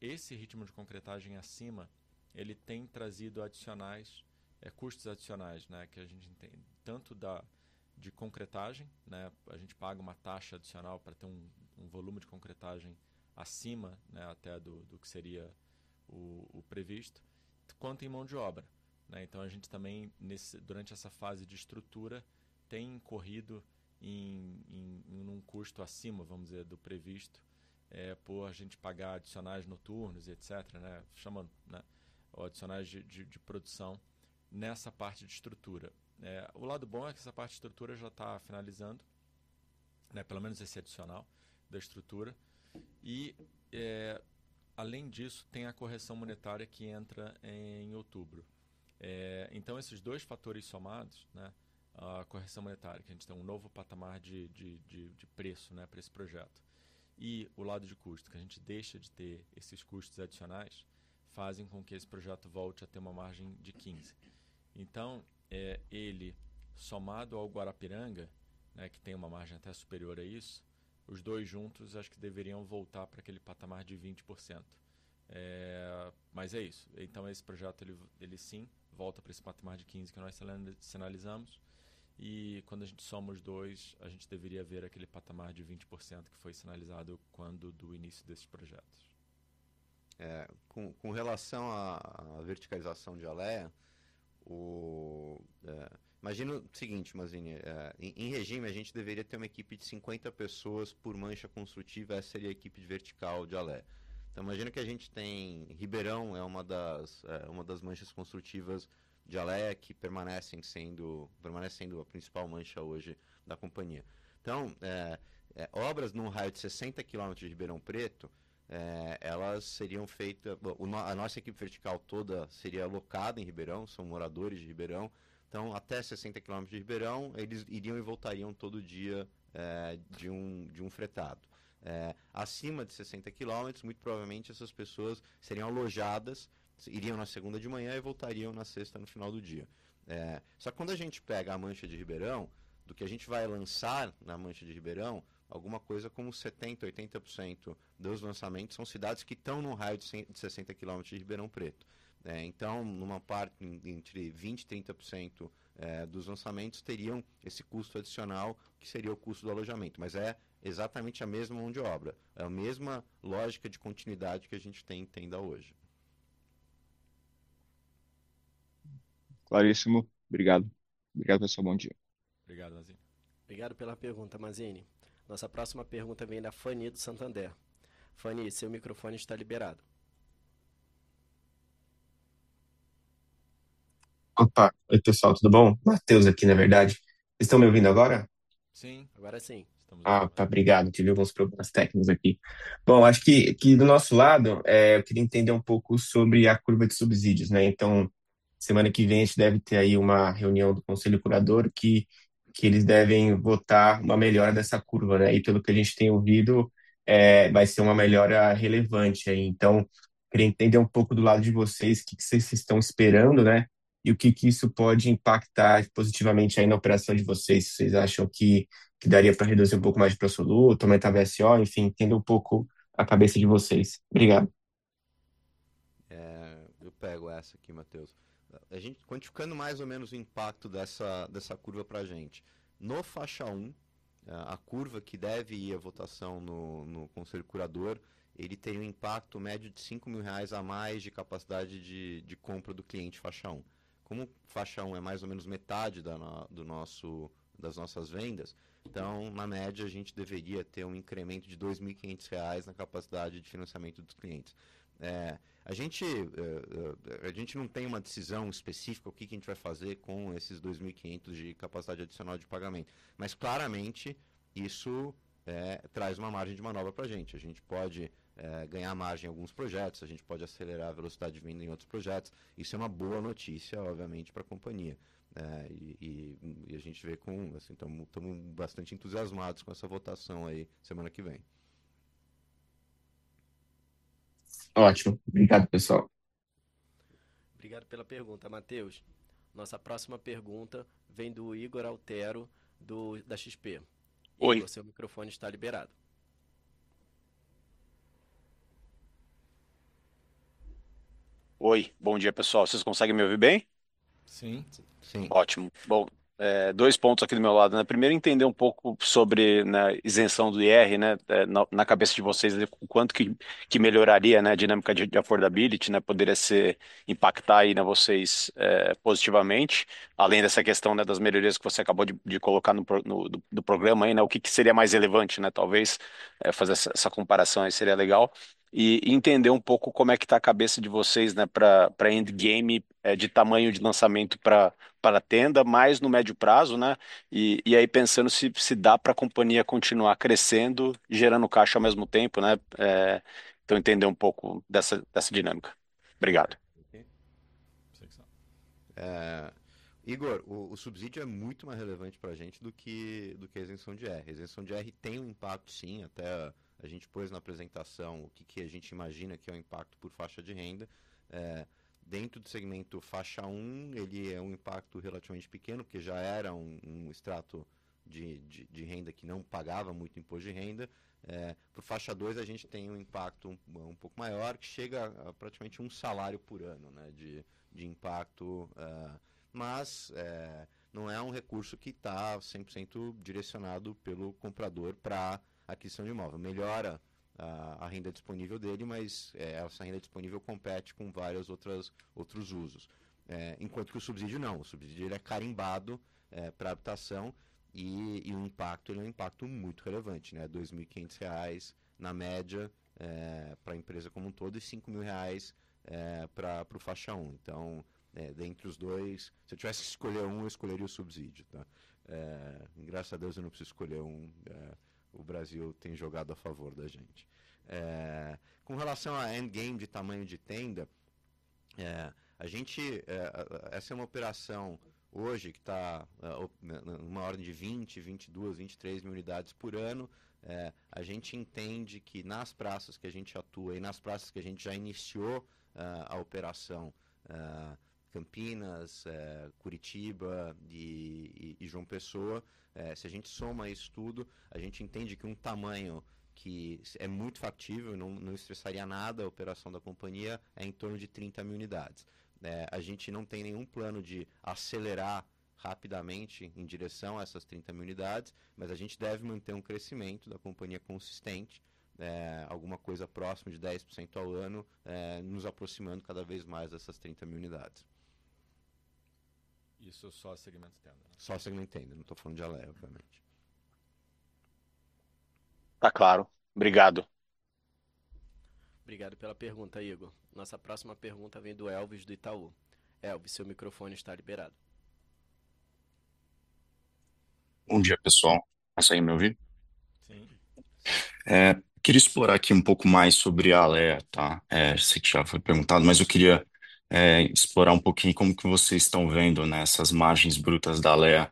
Esse ritmo de concretagem acima, ele tem trazido adicionais, custos adicionais, né, que a gente tem tanto da concretagem, né. A gente paga uma taxa adicional pra ter um volume de concretagem acima, né, até do que seria o previsto, quanto em mão de obra, né. A gente também durante essa fase de estrutura tem corrido em um custo acima, vamos dizer, do previsto, por a gente pagar adicionais noturnos e etc, né. Ou adicionais de produção nessa parte de estrutura. O lado bom é que essa parte de estrutura já tá finalizando, né, pelo menos esse adicional da estrutura. Além disso, tem a correção monetária que entra em outubro. Então esses dois fatores somados, né, a correção monetária, que a gente tem um novo patamar de preço, né, pra esse projeto, e o lado de custo, que a gente deixa de ter esses custos adicionais, fazem com que esse projeto volte a ter uma margem de 15%. Ele somado ao Guarapiranga, né, que tem uma margem até superior a isso, os dois juntos acho que deveriam voltar pra aquele patamar de 20%. Mas é isso. Então esse projeto ele sim, volta pra esse patamar de 15% que nós sinalizamos. Quando a gente soma os dois, a gente deveria ver aquele patamar de 20% que foi sinalizado quando do início desses projetos. Com relação à verticalização de Alea, imagina o seguinte, Mazini, em regime, a gente deveria ter uma equipe de 50 pessoas por mancha construtiva, essa seria a equipe de vertical de Alea. Então imagina que a gente tem Ribeirão é uma das manchas construtivas de Alea que permanece sendo a principal mancha hoje da companhia. Então obras num raio de 60 km de Ribeirão Preto, a nossa equipe vertical toda seria alocada em Ribeirão, são moradores de Ribeirão. Então até 60 km de Ribeirão, eles iriam e voltariam todo dia, de um fretado. Acima de 60 km, muito provavelmente essas pessoas seriam alojadas, iriam na segunda de manhã e voltariam na sexta no final do dia. Só que quando a gente pega a mancha de Ribeirão, do que a gente vai lançar na mancha de Ribeirão, alguma coisa como 70%-80% dos lançamentos são cidades que tão num raio de 60 km de Ribeirão Preto, né? Então, numa parte entre 20%-30%, dos lançamentos teriam esse custo adicional, que seria o custo do alojamento, mas é exatamente a mesma mão de obra, é a mesma lógica de continuidade que a gente tem da Tenda hoje. Claríssimo. Obrigado. Obrigado, pessoal. Bom dia. Obrigado, Mazini. Obrigado pela pergunta, André Mazini. Nossa próxima pergunta vem da Fanny Oreng, do Santander. Fanny Oreng, seu microfone está liberado. Opa, oi, pessoal, tudo bom? Mateus aqui, na verdade. Estão me ouvindo agora? Sim, agora sim. Estamos ouvindo. Tá, obrigado. Tive alguns problemas técnicos aqui. Bom, acho que do nosso lado, eu queria entender um pouco sobre a curva de subsídios, né? Semana que vem a gente deve ter aí uma reunião do Conselho Curador que eles devem votar uma melhora dessa curva, né? Pelo que a gente tem ouvido, vai ser uma melhora relevante aí. Queria entender um pouco do lado de vocês, que cês estão esperando, né? E o que isso pode impactar positivamente aí na operação de vocês, se cês acham que daria pra reduzir um pouco mais de preço também talvez SO, enfim, entender um pouco a cabeça de vocês. Obrigado. Eu pego essa aqui, Mateus. A gente quantificando mais ou menos o impacto dessa curva pra gente. No faixa um, a curva que deve ir à votação no Conselho Curador, ele tem um impacto médio de 5,000 reais a mais de capacidade de compra do cliente faixa um. Como faixa um é mais ou menos metade das nossas vendas, então, na média, a gente deveria ter um incremento de BRL 2,500 na capacidade de financiamento dos clientes. A gente não tem uma decisão específica o que que a gente vai fazer com esses 2,500 de capacidade adicional de pagamento, mas claramente isso traz uma margem de manobra pra gente. A gente pode ganhar margem em alguns projetos, a gente pode acelerar a velocidade de venda em outros projetos. Isso é uma boa notícia, obviamente, pra companhia, né? A gente assim, tamos bastante entusiasmados com essa votação aí semana que vem. Ótimo. Obrigado, pessoal. Obrigado pela pergunta, Mateus. Nossa próxima pergunta vem do Ygor Altero, da XP. Oi. O seu microfone está liberado. Oi, bom dia, pessoal. Vocês conseguem me ouvir bem? Sim. Sim. Ótimo. Bom, dois pontos aqui do meu lado, né? Primeiro, entender um pouco sobre, né, isenção do IR, né, na cabeça de vocês, o quanto que melhoraria, né, a dinâmica de affordability, né, poderia impactar aí, né, vocês, positivamente. Além dessa questão, né, das melhorias que você acabou de colocar no programa aí, né, o que que seria mais relevante, né? Talvez, fazer essa comparação aí seria legal. Entender um pouco como é que tá a cabeça de vocês, né, pra end game, de tamanho de lançamento pra Tenda, mais no médio prazo, né? Aí pensando se dá pra companhia continuar crescendo e gerando caixa ao mesmo tempo, né? Então entender um pouco dessa dinâmica. Obrigado. Ok. Sei que sim. Ygor, o subsídio é muito mais relevante pra gente do que a isenção de IR. A isenção de IR tem um impacto sim, até a gente pôs na apresentação o que a gente imagina que é o impacto por faixa de renda. Dentro do segmento faixa 1, ele é um impacto relativamente pequeno, porque já era um estrato de renda que não pagava muito imposto de renda. Para a faixa 2 a gente tem um impacto um pouco maior, que chega a praticamente 1 salário por ano, né, de impacto. Não é um recurso que tá 100% direcionado pelo comprador pra aquisição de imóvel. Melhora a renda disponível dele, mas essa renda disponível compete com vários outros usos. Enquanto que o subsídio não, o subsídio ele é carimbado, para habitação, e o impacto ele é um impacto muito relevante, né? BRL 2,500 na média, para empresa como um todo e BRL 5,000, pro Faixa 1. Então, dentre os dois, se eu tivesse que escolher um, eu escolheria o subsídio, tá? Graças a Deus eu não preciso escolher um, o Brasil tem jogado a favor da gente. Com relação a endgame de tamanho de Tenda, a gente, essa é uma operação hoje que tá numa ordem de 20, 22, 23 mil unidades por ano. A gente entende que nas praças que a gente atua e nas praças que a gente já iniciou a operação, Campinas, Curitiba e João Pessoa, se a gente soma isso tudo, a gente entende que um tamanho que é muito factível, não estressaria nada a operação da companhia, em torno de 30,000 unidades. A gente não tem nenhum plano de acelerar rapidamente em direção a essas 30,000 unidades, mas a gente deve manter um crescimento da companhia consistente, alguma coisa próximo de 10% ao ano, nos aproximando cada vez mais dessas 30,000 unidades. Isso só segmento Tenda? Só segmento Tenda, não tô falando de Alea, obviamente. Tá claro. Obrigado. Obrigado pela pergunta, Ygor. Nossa próxima pergunta vem do Elvis, do Itaú. Elvis, seu microfone está liberado. Bom dia, pessoal. Dá sim pra me ouvir? Sim. Queria explorar aqui um pouco mais sobre a Alea, tá? Sei que já foi perguntado, mas eu queria explorar um pouquinho como que vocês tão vendo, né, essas margens brutas da Alea,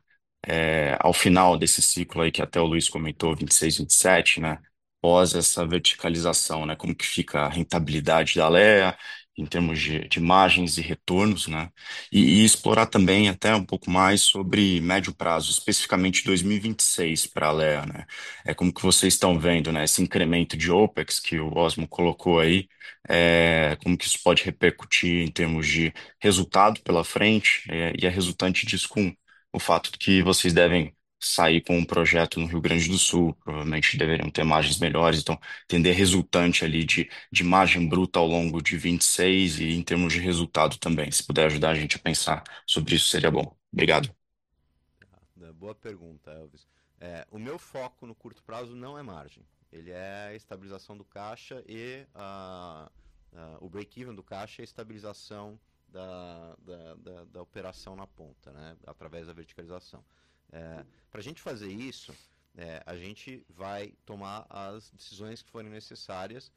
ao final desse ciclo aí que até o Luiz comentou, 2026, 2027, né? Pós essa verticalização, né, como que fica a rentabilidade da Alea em termos de margens e retornos, né? Exploro também até um pouco mais sobre médio prazo, especificamente 2026 pra Alea, né? Como que vocês tão vendo, né, esse incremento de Opex que o Osmo colocou aí? Como que isso pode repercutir em termos de resultado pela frente, e a resultante disso com o fato que vocês devem sair com um projeto no Rio Grande do Sul, provavelmente deveriam ter margens melhores. Entender a resultante ali de margem bruta ao longo de 2026 e em termos de resultado também. Se puder ajudar a gente a pensar sobre isso, seria bom. Obrigado. Boa pergunta, Elvis. O meu foco no curto prazo não é margem, ele é estabilização do caixa e o break-even do caixa e estabilização da operação na ponta, né, através da verticalização. Pra gente fazer isso, a gente vai tomar as decisões que forem necessárias,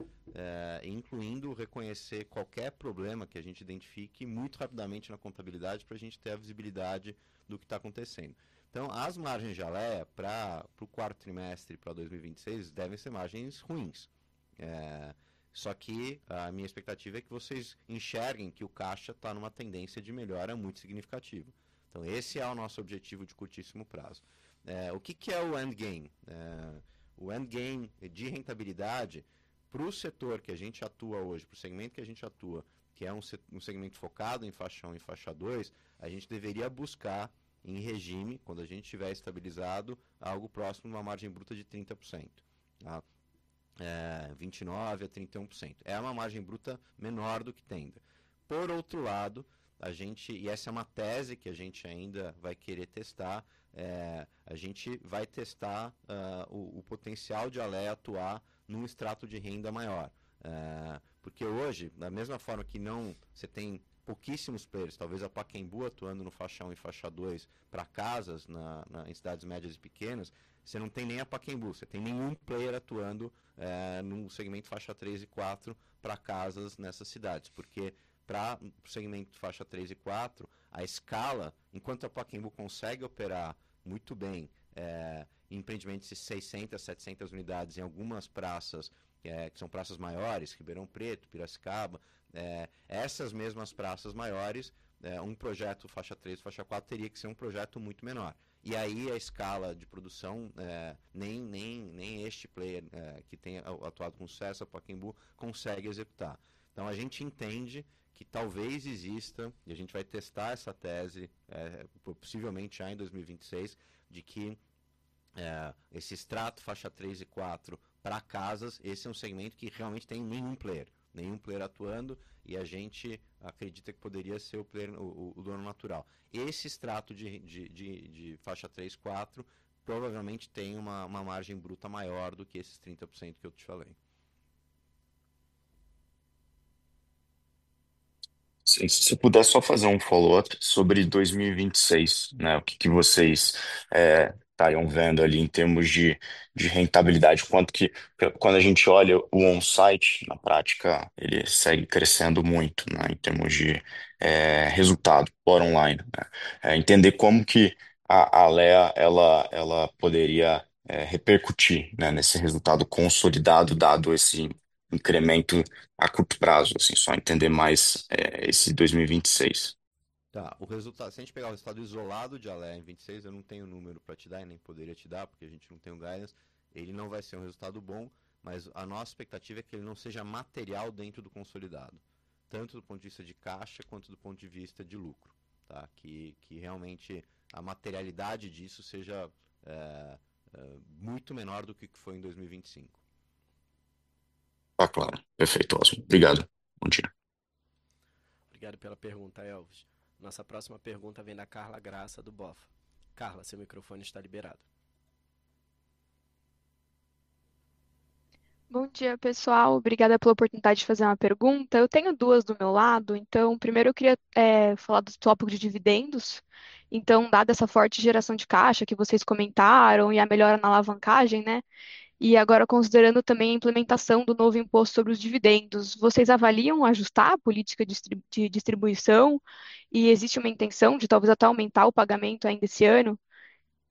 incluindo reconhecer qualquer problema que a gente identifique muito rapidamente na contabilidade pra gente ter a visibilidade do que tá acontecendo. Então as margens de Alea pro quarto trimestre pra 2026 devem ser margens ruins. Só que a minha expectativa é que vocês enxerguem que o caixa tá numa tendência de melhora muito significativa. Então esse é o nosso objetivo de curtíssimo prazo. O que que é o endgame? O endgame de rentabilidade pro setor que a gente atua hoje, pro segmento que a gente atua, que é um segmento focado em faixa um e faixa dois, a gente deveria buscar em regime, quando a gente tiver estabilizado, algo próximo numa margem bruta de 30%, tá? 29%-31%. É uma margem bruta menor do que Tenda. Por outro lado, a gente, e essa é uma tese que a gente ainda vai querer testar, a gente vai testar, o potencial de Alea atuar num estrato de renda maior. Porque hoje, da mesma forma que não cê tem pouquíssimos players, talvez a Pacaembu atuando no faixa 1 e faixa 2 pra casas na em cidades médias e pequenas, cê não tem nem a Pacaembu, cê tem nenhum player atuando num segmento faixa 3 e faixa 4 pra casas nessas cidades, porque pro segmento faixa 3 e faixa 4, a escala, enquanto a Pacaembu consegue operar muito bem, empreendimentos de 600, 700 unidades em algumas praças que são praças maiores, Ribeirão Preto, Piracicaba, essas mesmas praças maiores, né, um projeto faixa 3, faixa 4, teria que ser um projeto muito menor. Aí a escala de produção nem este player que tem atuado com sucesso, a Pacaembu, consegue executar. A gente entende que talvez exista, e a gente vai testar essa tese, possivelmente já em 2026, de que esse estrato faixa três e quatro pra casas, esse é um segmento que realmente tem nenhum player atuando, e a gente acredita que poderia ser o player, o dono natural. Esse estrato de faixa três, quatro, provavelmente tem uma margem bruta maior do que esses 30% que eu te falei. Se eu puder só fazer um follow-up sobre 2026, né? O que vocês estariam vendo ali em termos de rentabilidade? Quando a gente olha o on-site, na prática, ele segue crescendo muito, né, em termos de resultado para off-site, né? É entender como que a Alea ela poderia repercutir, né, nesse resultado consolidado, dado esse incremento a curto prazo, assim, só entender mais esse 2026. Tá. O resultado, se a gente pegar o resultado isolado de Alea em 2026, eu não tenho número pra te dar, nem poderia te dar, porque a gente não tem o guidance. Ele não vai ser um resultado bom, mas a nossa expectativa é que ele não seja material dentro do consolidado, tanto do ponto de vista de caixa quanto do ponto de vista de lucro, tá? Que realmente a materialidade disso seja muito menor do que o que foi em 2025. Tá claro. Perfeito, Osmo. Obrigado. Bom dia. Obrigado pela pergunta, Elvis. Nossa próxima pergunta vem da Carla Graça, do BofA. Carla, seu microfone está liberado. Bom dia, pessoal. Obrigada pela oportunidade de fazer uma pergunta. Eu tenho duas do meu lado. Primeiro eu queria falar do tópico de dividendos. Dada essa forte geração de caixa que vocês comentaram e a melhora na alavancagem, né, e agora considerando também a implementação do novo imposto sobre os dividendos, vocês avaliam ajustar a política de distribuição e existe uma intenção de talvez até aumentar o pagamento ainda esse ano?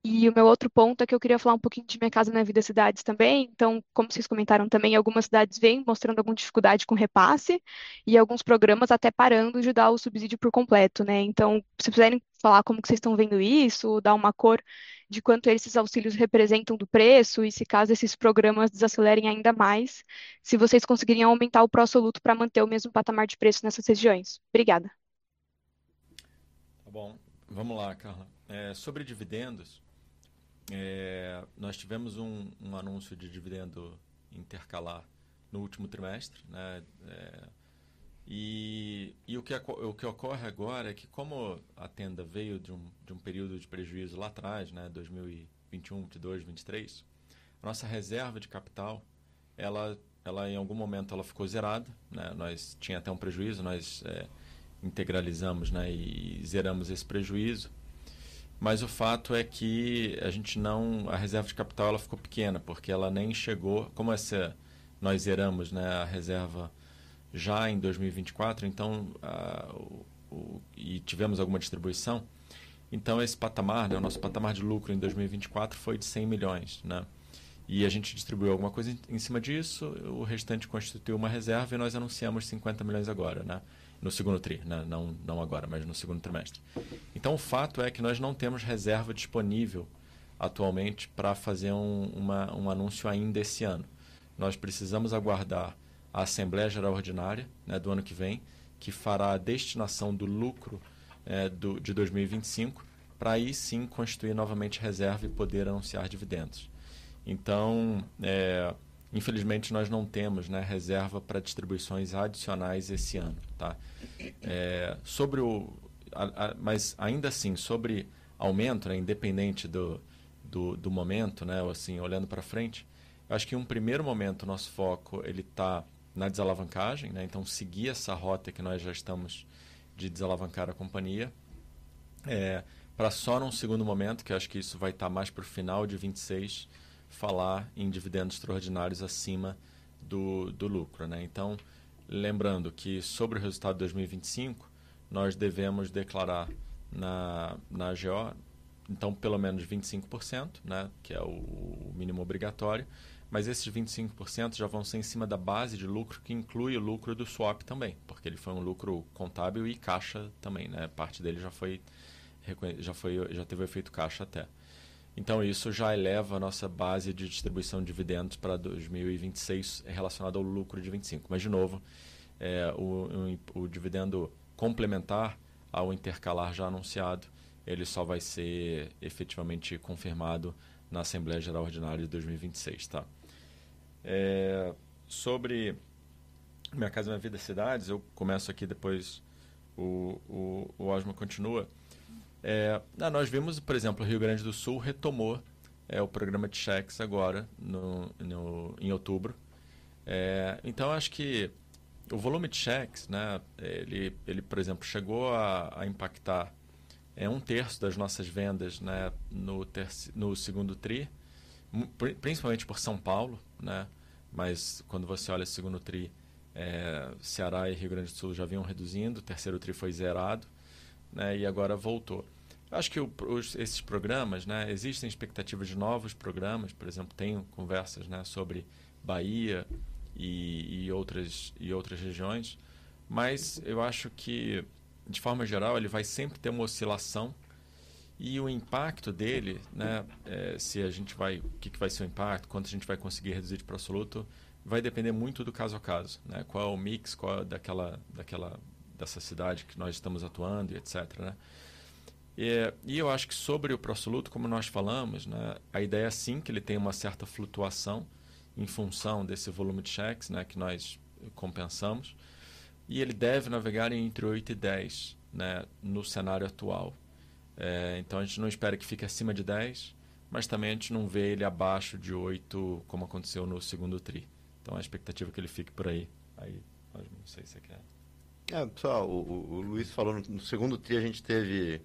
O meu outro ponto é que eu queria falar um pouquinho de Minha Casa, Minha Vida Cidades também. Como vocês comentaram também, algumas cidades vêm mostrando alguma dificuldade com repasse e alguns programas até parando de dar o subsídio por completo, né? Se puderem falar como que cês tão vendo isso ou dar uma cor de quanto esses auxílios representam do preço e se caso esses programas desacelerem ainda mais, se vocês conseguiriam aumentar o Pró-Soluto pra manter o mesmo patamar de preço nessas regiões. Obrigada. Tá bom. Vamos lá, Carla. Sobre dividendos, nós tivemos um anúncio de dividendo intercalar no último trimestre, né, e o que ocorre agora é que como a Tenda veio de um período de prejuízo lá atrás, né, 2021, 2022, 2023, nossa reserva de capital, ela em algum momento ficou zerada, né? Nós tinha até um prejuízo, integralizamos, né, zeramos esse prejuízo. Mas o fato é que a reserva de capital ficou pequena, porque como essa, nós zeramos, né, a reserva já em 2024, então, e tivemos alguma distribuição. Então esse patamar, né, o nosso patamar de lucro em 2024 foi de 100 million, né? A gente distribuiu alguma coisa em cima disso, o restante constituiu uma reserva e nós anunciamos 50 milhões agora, né? No segundo tri, né, não agora, mas no segundo trimestre. Então o fato é que nós não temos reserva disponível atualmente pra fazer um anúncio ainda esse ano. Nós precisamos aguardar a Assembleia Geral Ordinária, né, do ano que vem, que fará a destinação do lucro de 2025, pra aí sim constituir novamente reserva e poder anunciar dividendos. Então, infelizmente, nós não temos, né, reserva pra distribuições adicionais esse ano, tá? Sobre o aumento, né, independente do momento, né, ou assim, olhando pra frente, acho que um primeiro momento, nosso foco ele tá na desalavancagem, né? Seguir essa rota que nós já estamos de desalavancar a companhia, pra só num segundo momento, que acho que isso vai tá mais pro final de 2026, falar em dividendos extraordinários acima do lucro. Lembrando que sobre o resultado de 2025, nós devemos declarar na AGO, então pelo menos 25%, que é o mínimo obrigatório, mas esses 25% já vão ser em cima da base de lucro, que inclui o lucro do swap também, porque ele foi um lucro contábil e caixa também. Parte dele já teve efeito caixa até. Isso já eleva a nossa base de distribuição de dividendos pra 2026, relacionado ao lucro de 2025. Mas de novo, o dividendo complementar ao intercalar já anunciado, ele só vai ser efetivamente confirmado na Assembleia Geral Ordinária de 2026. Sobre Minha Casa, Minha Vida Cidades, eu começo aqui, depois o Osmo continua. Nós vimos, por exemplo, o Rio Grande do Sul retomou o programa de cheques agora em outubro. Então acho que o volume de cheques, né, ele por exemplo chegou a impactar um terço das nossas vendas, né, no segundo tri, principalmente por São Paulo, né? Mas quando você olha o segundo tri, Ceará e Rio Grande do Sul já vinham reduzindo, o terceiro tri foi zerado, né? Agora voltou. Acho que esses programas, né, existem expectativas de novos programas. Por exemplo, tenho conversas, né, sobre Bahia e outras regiões, mas eu acho que, de forma geral, ele vai sempre ter uma oscilação e o impacto dele, né, é o que vai ser o impacto, quanto a gente vai conseguir reduzir de pró-soluto, vai depender muito do caso a caso, né? Qual o mix, qual o da dessa cidade que nós estamos atuando e etc, né? E eu acho que sobre o pró-soluto, como nós falamos, né, a ideia é sim que ele tenha uma certa flutuação em função desse volume de cheques, né, que nós compensamos, e ele deve navegar entre 8 e 10, né, no cenário atual, então a gente não espera que fique acima de 10, mas também a gente não vê ele abaixo de 8, como aconteceu no segundo tri. A expectativa é que ele fique por aí. Aí, Washington, não sei se cê quer. Pessoal, Luiz falou no segundo tri a gente teve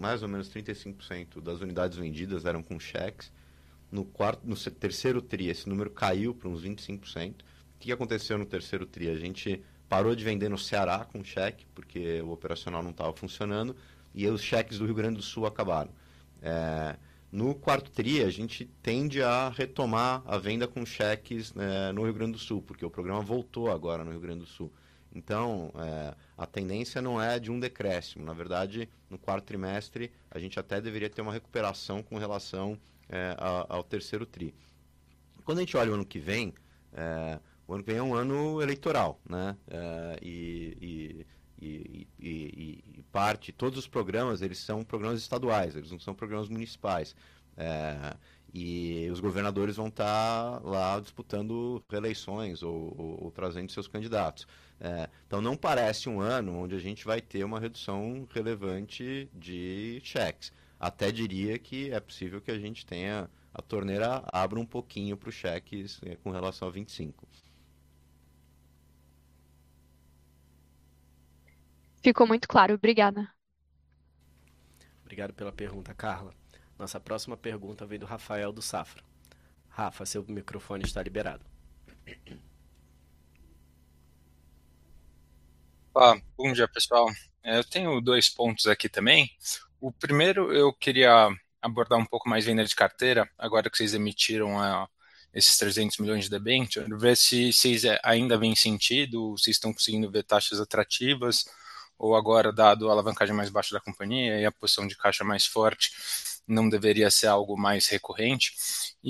mais ou menos 35% das unidades vendidas eram com cheques. No terceiro tri, esse número caiu pra uns 25%. O que aconteceu no terceiro tri? A gente parou de vender no Ceará com cheque, porque o operacional não tava funcionando e os cheques do Rio Grande do Sul acabaram. No quarto tri, a gente tende a retomar a venda com cheques, né, no Rio Grande do Sul, porque o programa voltou agora no Rio Grande do Sul. A tendência não é de um decréscimo. Na verdade, no quarto trimestre, a gente até deveria ter uma recuperação com relação ao terceiro tri. Quando a gente olha o ano que vem, o ano que vem é um ano eleitoral, né? Todos os programas, eles são programas estaduais, eles não são programas municipais. Os governadores vão tá lá disputando reeleições ou trazendo seus candidatos. Então não parece um ano onde a gente vai ter uma redução relevante de cheques. Até diria que é possível que a gente tenha a torneira abra um pouquinho pros cheques com relação a 2025. Ficou muito claro. Obrigada. Obrigado pela pergunta, Carla. Nossa próxima pergunta vem do Rafael, do Safra. Rafa, seu microfone está liberado. Olá, bom dia, pessoal. Eu tenho dois pontos aqui também. O primeiro eu queria abordar um pouco mais venda de carteira, agora que cês emitiram esses 300 milhões de debêntures, ver se cês ainda veem sentido, se estão conseguindo ver taxas atrativas ou agora, dado a alavancagem mais baixa da companhia e a posição de caixa mais forte, não deveria ser algo mais recorrente.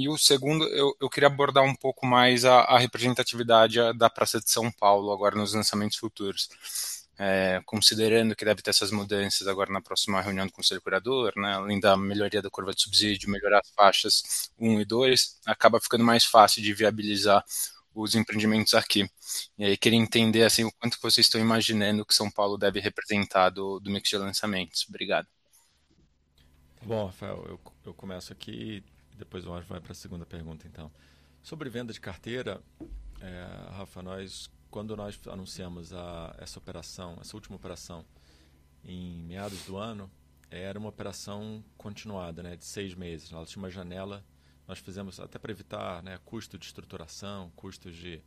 O segundo, eu queria abordar um pouco mais a representatividade da praça de São Paulo agora nos lançamentos futuros. Considerando que deve ter essas mudanças agora na próxima reunião do Conselho Curador, além da melhoria da curva de subsídio, melhorar as faixas 1 e 2, acaba ficando mais fácil de viabilizar os empreendimentos aqui. Aí queria entender, assim, o quanto que vocês tão imaginando que São Paulo deve representar do mix de lançamentos. Obrigado. Bom, Rafael, eu começo aqui e depois o Washington vai pra segunda pergunta então. Sobre venda de carteira, Rafa, nós quando anunciamos essa operação, essa última operação em meados do ano, era uma operação continuada de 6 meses. Ela tinha uma janela, nós fizemos até pra evitar custo de estruturação, custos de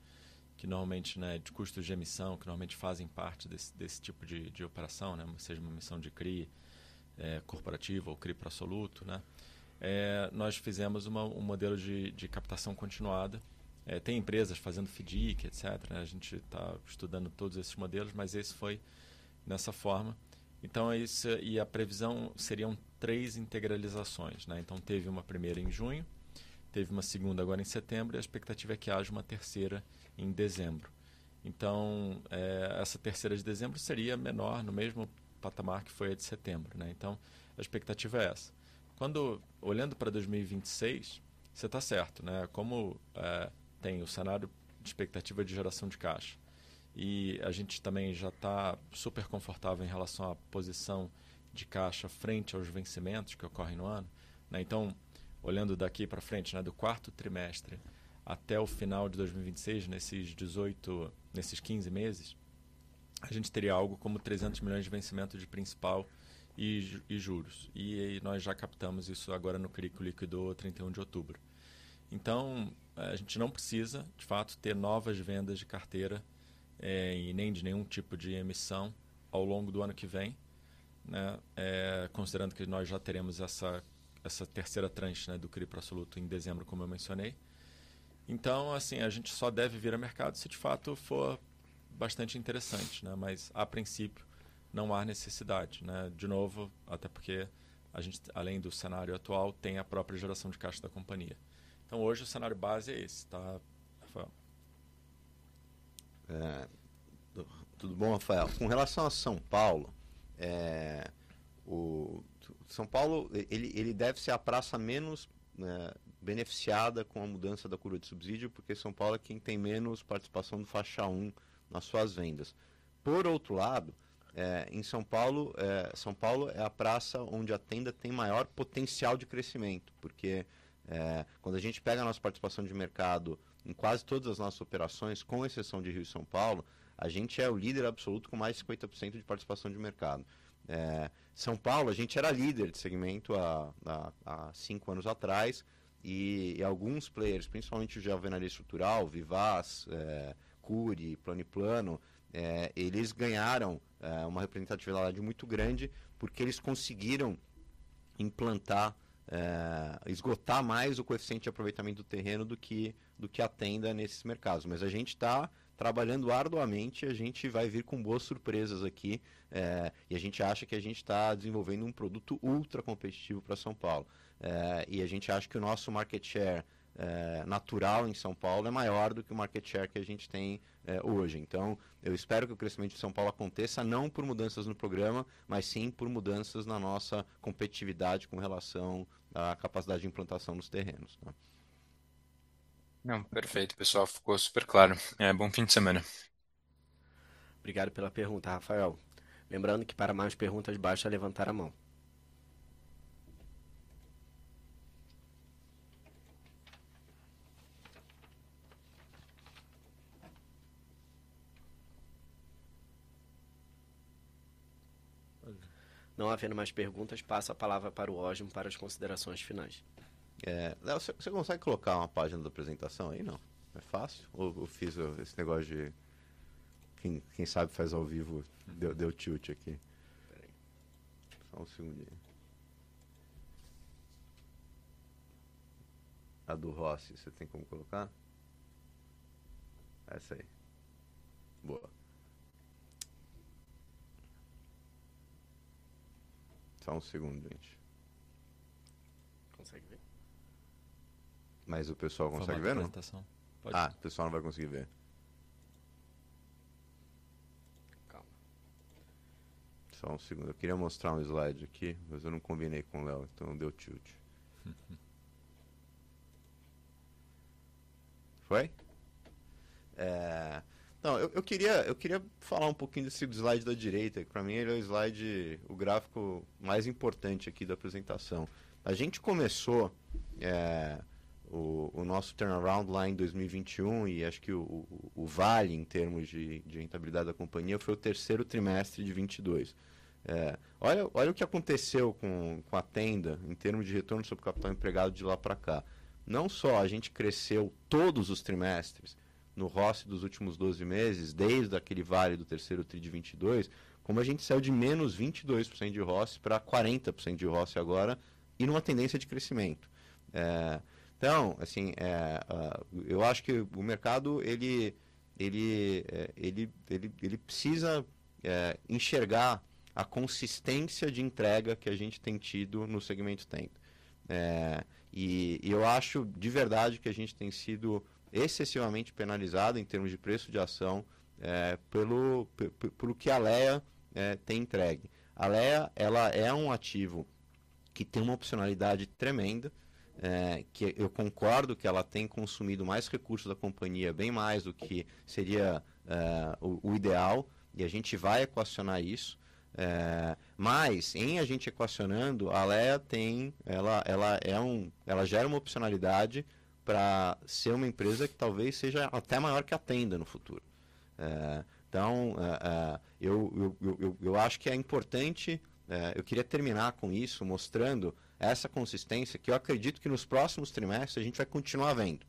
que normalmente de custos de emissão, que normalmente fazem parte desse tipo de operação, seja uma emissão de CRI corporativa ou CRI Pro-Soluto? Nós fizemos um modelo de captação continuada. Tem empresas fazendo FIDC, etc, a gente tá estudando todos esses modelos, mas esse foi nessa forma. Então, isso e a previsão seriam 3 integralizações. Teve uma primeira em junho, teve uma segunda agora em setembro e a expectativa é que haja uma terceira em dezembro. Essa terceira de dezembro seria menor, no mesmo patamar que foi a de setembro, né? A expectativa é essa. Olhando pra 2026, cê tá certo, né? Como tem o cenário de expectativa de geração de caixa e a gente também já tá super confortável em relação à posição de caixa frente aos vencimentos que ocorrem no ano, né, então olhando daqui pra frente, né, do quarto trimestre até o final de 2026, nesses 15 meses, a gente teria algo como 300 milhões de vencimento de principal e juros. Nós já captamos isso agora no CRI que liquidou a 31 de outubro. A gente não precisa, de fato, ter novas vendas de carteira, e nem de nenhum tipo de emissão ao longo do ano que vem, né, considerando que nós já teremos essa terceira tranche, né, do CRI Pro-Soluto em dezembro, como eu mencionei. Assim, a gente só deve vir a mercado se de fato for bastante interessante, né, mas a princípio não há necessidade, né? De novo, até porque a gente, além do cenário atual, tem a própria geração de caixa da companhia. Hoje o cenário base é esse, tá, Rafael? Tudo bom, Rafael? Com relação a São Paulo, o São Paulo, ele deve ser a praça menos, né, beneficiada com a mudança da curva de subsídio, porque São Paulo é quem tem menos participação no faixa um nas suas vendas. Por outro lado, em São Paulo, São Paulo é a praça onde a Tenda tem maior potencial de crescimento, porque quando a gente pega a nossa participação de mercado em quase todas as nossas operações, com exceção de Rio e São Paulo, a gente é o líder absoluto com mais de 50% de participação de mercado. São Paulo, a gente era líder de segmento há 5 anos atrás e alguns players, principalmente alvenaria estrutural, Vivaz, Cury, Plano & Plano, eles ganharam uma representatividade muito grande porque eles conseguiram implantar esgotar mais o coeficiente de aproveitamento do terreno do que a Tenda nesses mercados. Mas a gente tá trabalhando arduamente, a gente vai vir com boas surpresas aqui, e a gente acha que a gente tá desenvolvendo um produto ultracompetitivo pra São Paulo. E a gente acha que o nosso market share natural em São Paulo é maior do que o market share que a gente tem hoje. Então eu espero que o crescimento de São Paulo aconteça não por mudanças no programa, mas sim por mudanças na nossa competitividade com relação à capacidade de implantação nos terrenos, né? Não, perfeito pessoal, ficou super claro. É, bom fim de semana. Obrigado pela pergunta, Rafael. Lembrando que para mais perguntas basta levantar a mão. Não havendo mais perguntas, passo a palavra para o Osmo para as considerações finais. Léo, cê consegue colocar uma página da apresentação aí, não? Não é fácil? Eu fiz esse negócio de quem sabe faz ao vivo, deu tilt aqui. Só um segundinho. A do ROC você tem como colocar? Essa aí. Boa. Só um segundo, gente. Consegue ver? O pessoal consegue ver, não? O pessoal não vai conseguir ver. Calma. Só um segundo. Eu queria mostrar um slide aqui, mas eu não combinei com o Léo, então deu tilt. Foi? Não, eu queria falar um pouquinho desse slide da direita, que pra mim ele é o slide, o gráfico mais importante aqui da apresentação. A gente começou o nosso turnaround lá em 2021 e acho que o vale em termos de rentabilidade da companhia foi o terceiro trimestre de 2022. Olha o que aconteceu com a Tenda em termos de retorno sobre o capital empregado de lá pra cá. Não só a gente cresceu todos os trimestres no ROC dos últimos 12 meses, desde aquele vale do terceiro tri de 2022, como a gente saiu de -22% de ROC pra 40% de ROC agora e numa tendência de crescimento. Então, eu acho que o mercado precisa enxergar a consistência de entrega que a gente tem tido no segmento Tenda. Eu acho, de verdade, que a gente tem sido excessivamente penalizado em termos de preço de ação, pelo que a Alea tem entregue. A Alea ela é um ativo que tem uma opcionalidade tremenda, que eu concordo que ela tem consumido mais recursos da companhia, bem mais do que seria o ideal, e a gente vai equacionar isso. A gente equacionando, a Alea tem, ela gera uma opcionalidade pra ser uma empresa que talvez seja até maior que a Tenda no futuro. Eu acho que é importante, né, eu queria terminar com isso, mostrando essa consistência que eu acredito que nos próximos trimestres a gente vai continuar vendo.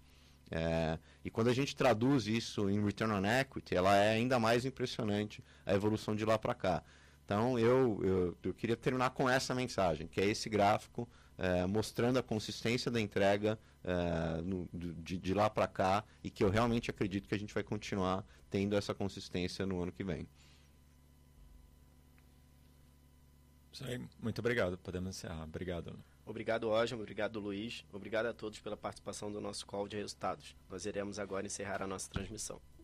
Quando a gente traduz isso em return on equity, ela é ainda mais impressionante a evolução de lá pra cá. Eu queria terminar com essa mensagem, que é esse gráfico, mostrando a consistência da entrega de lá pra cá e que eu realmente acredito que a gente vai continuar tendo essa consistência no ano que vem. Isso aí, muito obrigado. Podemos encerrar. Obrigado. Obrigado, Osmo. Obrigado, Luiz. Obrigado a todos pela participação do nosso call de resultados. Nós iremos agora encerrar a nossa transmissão.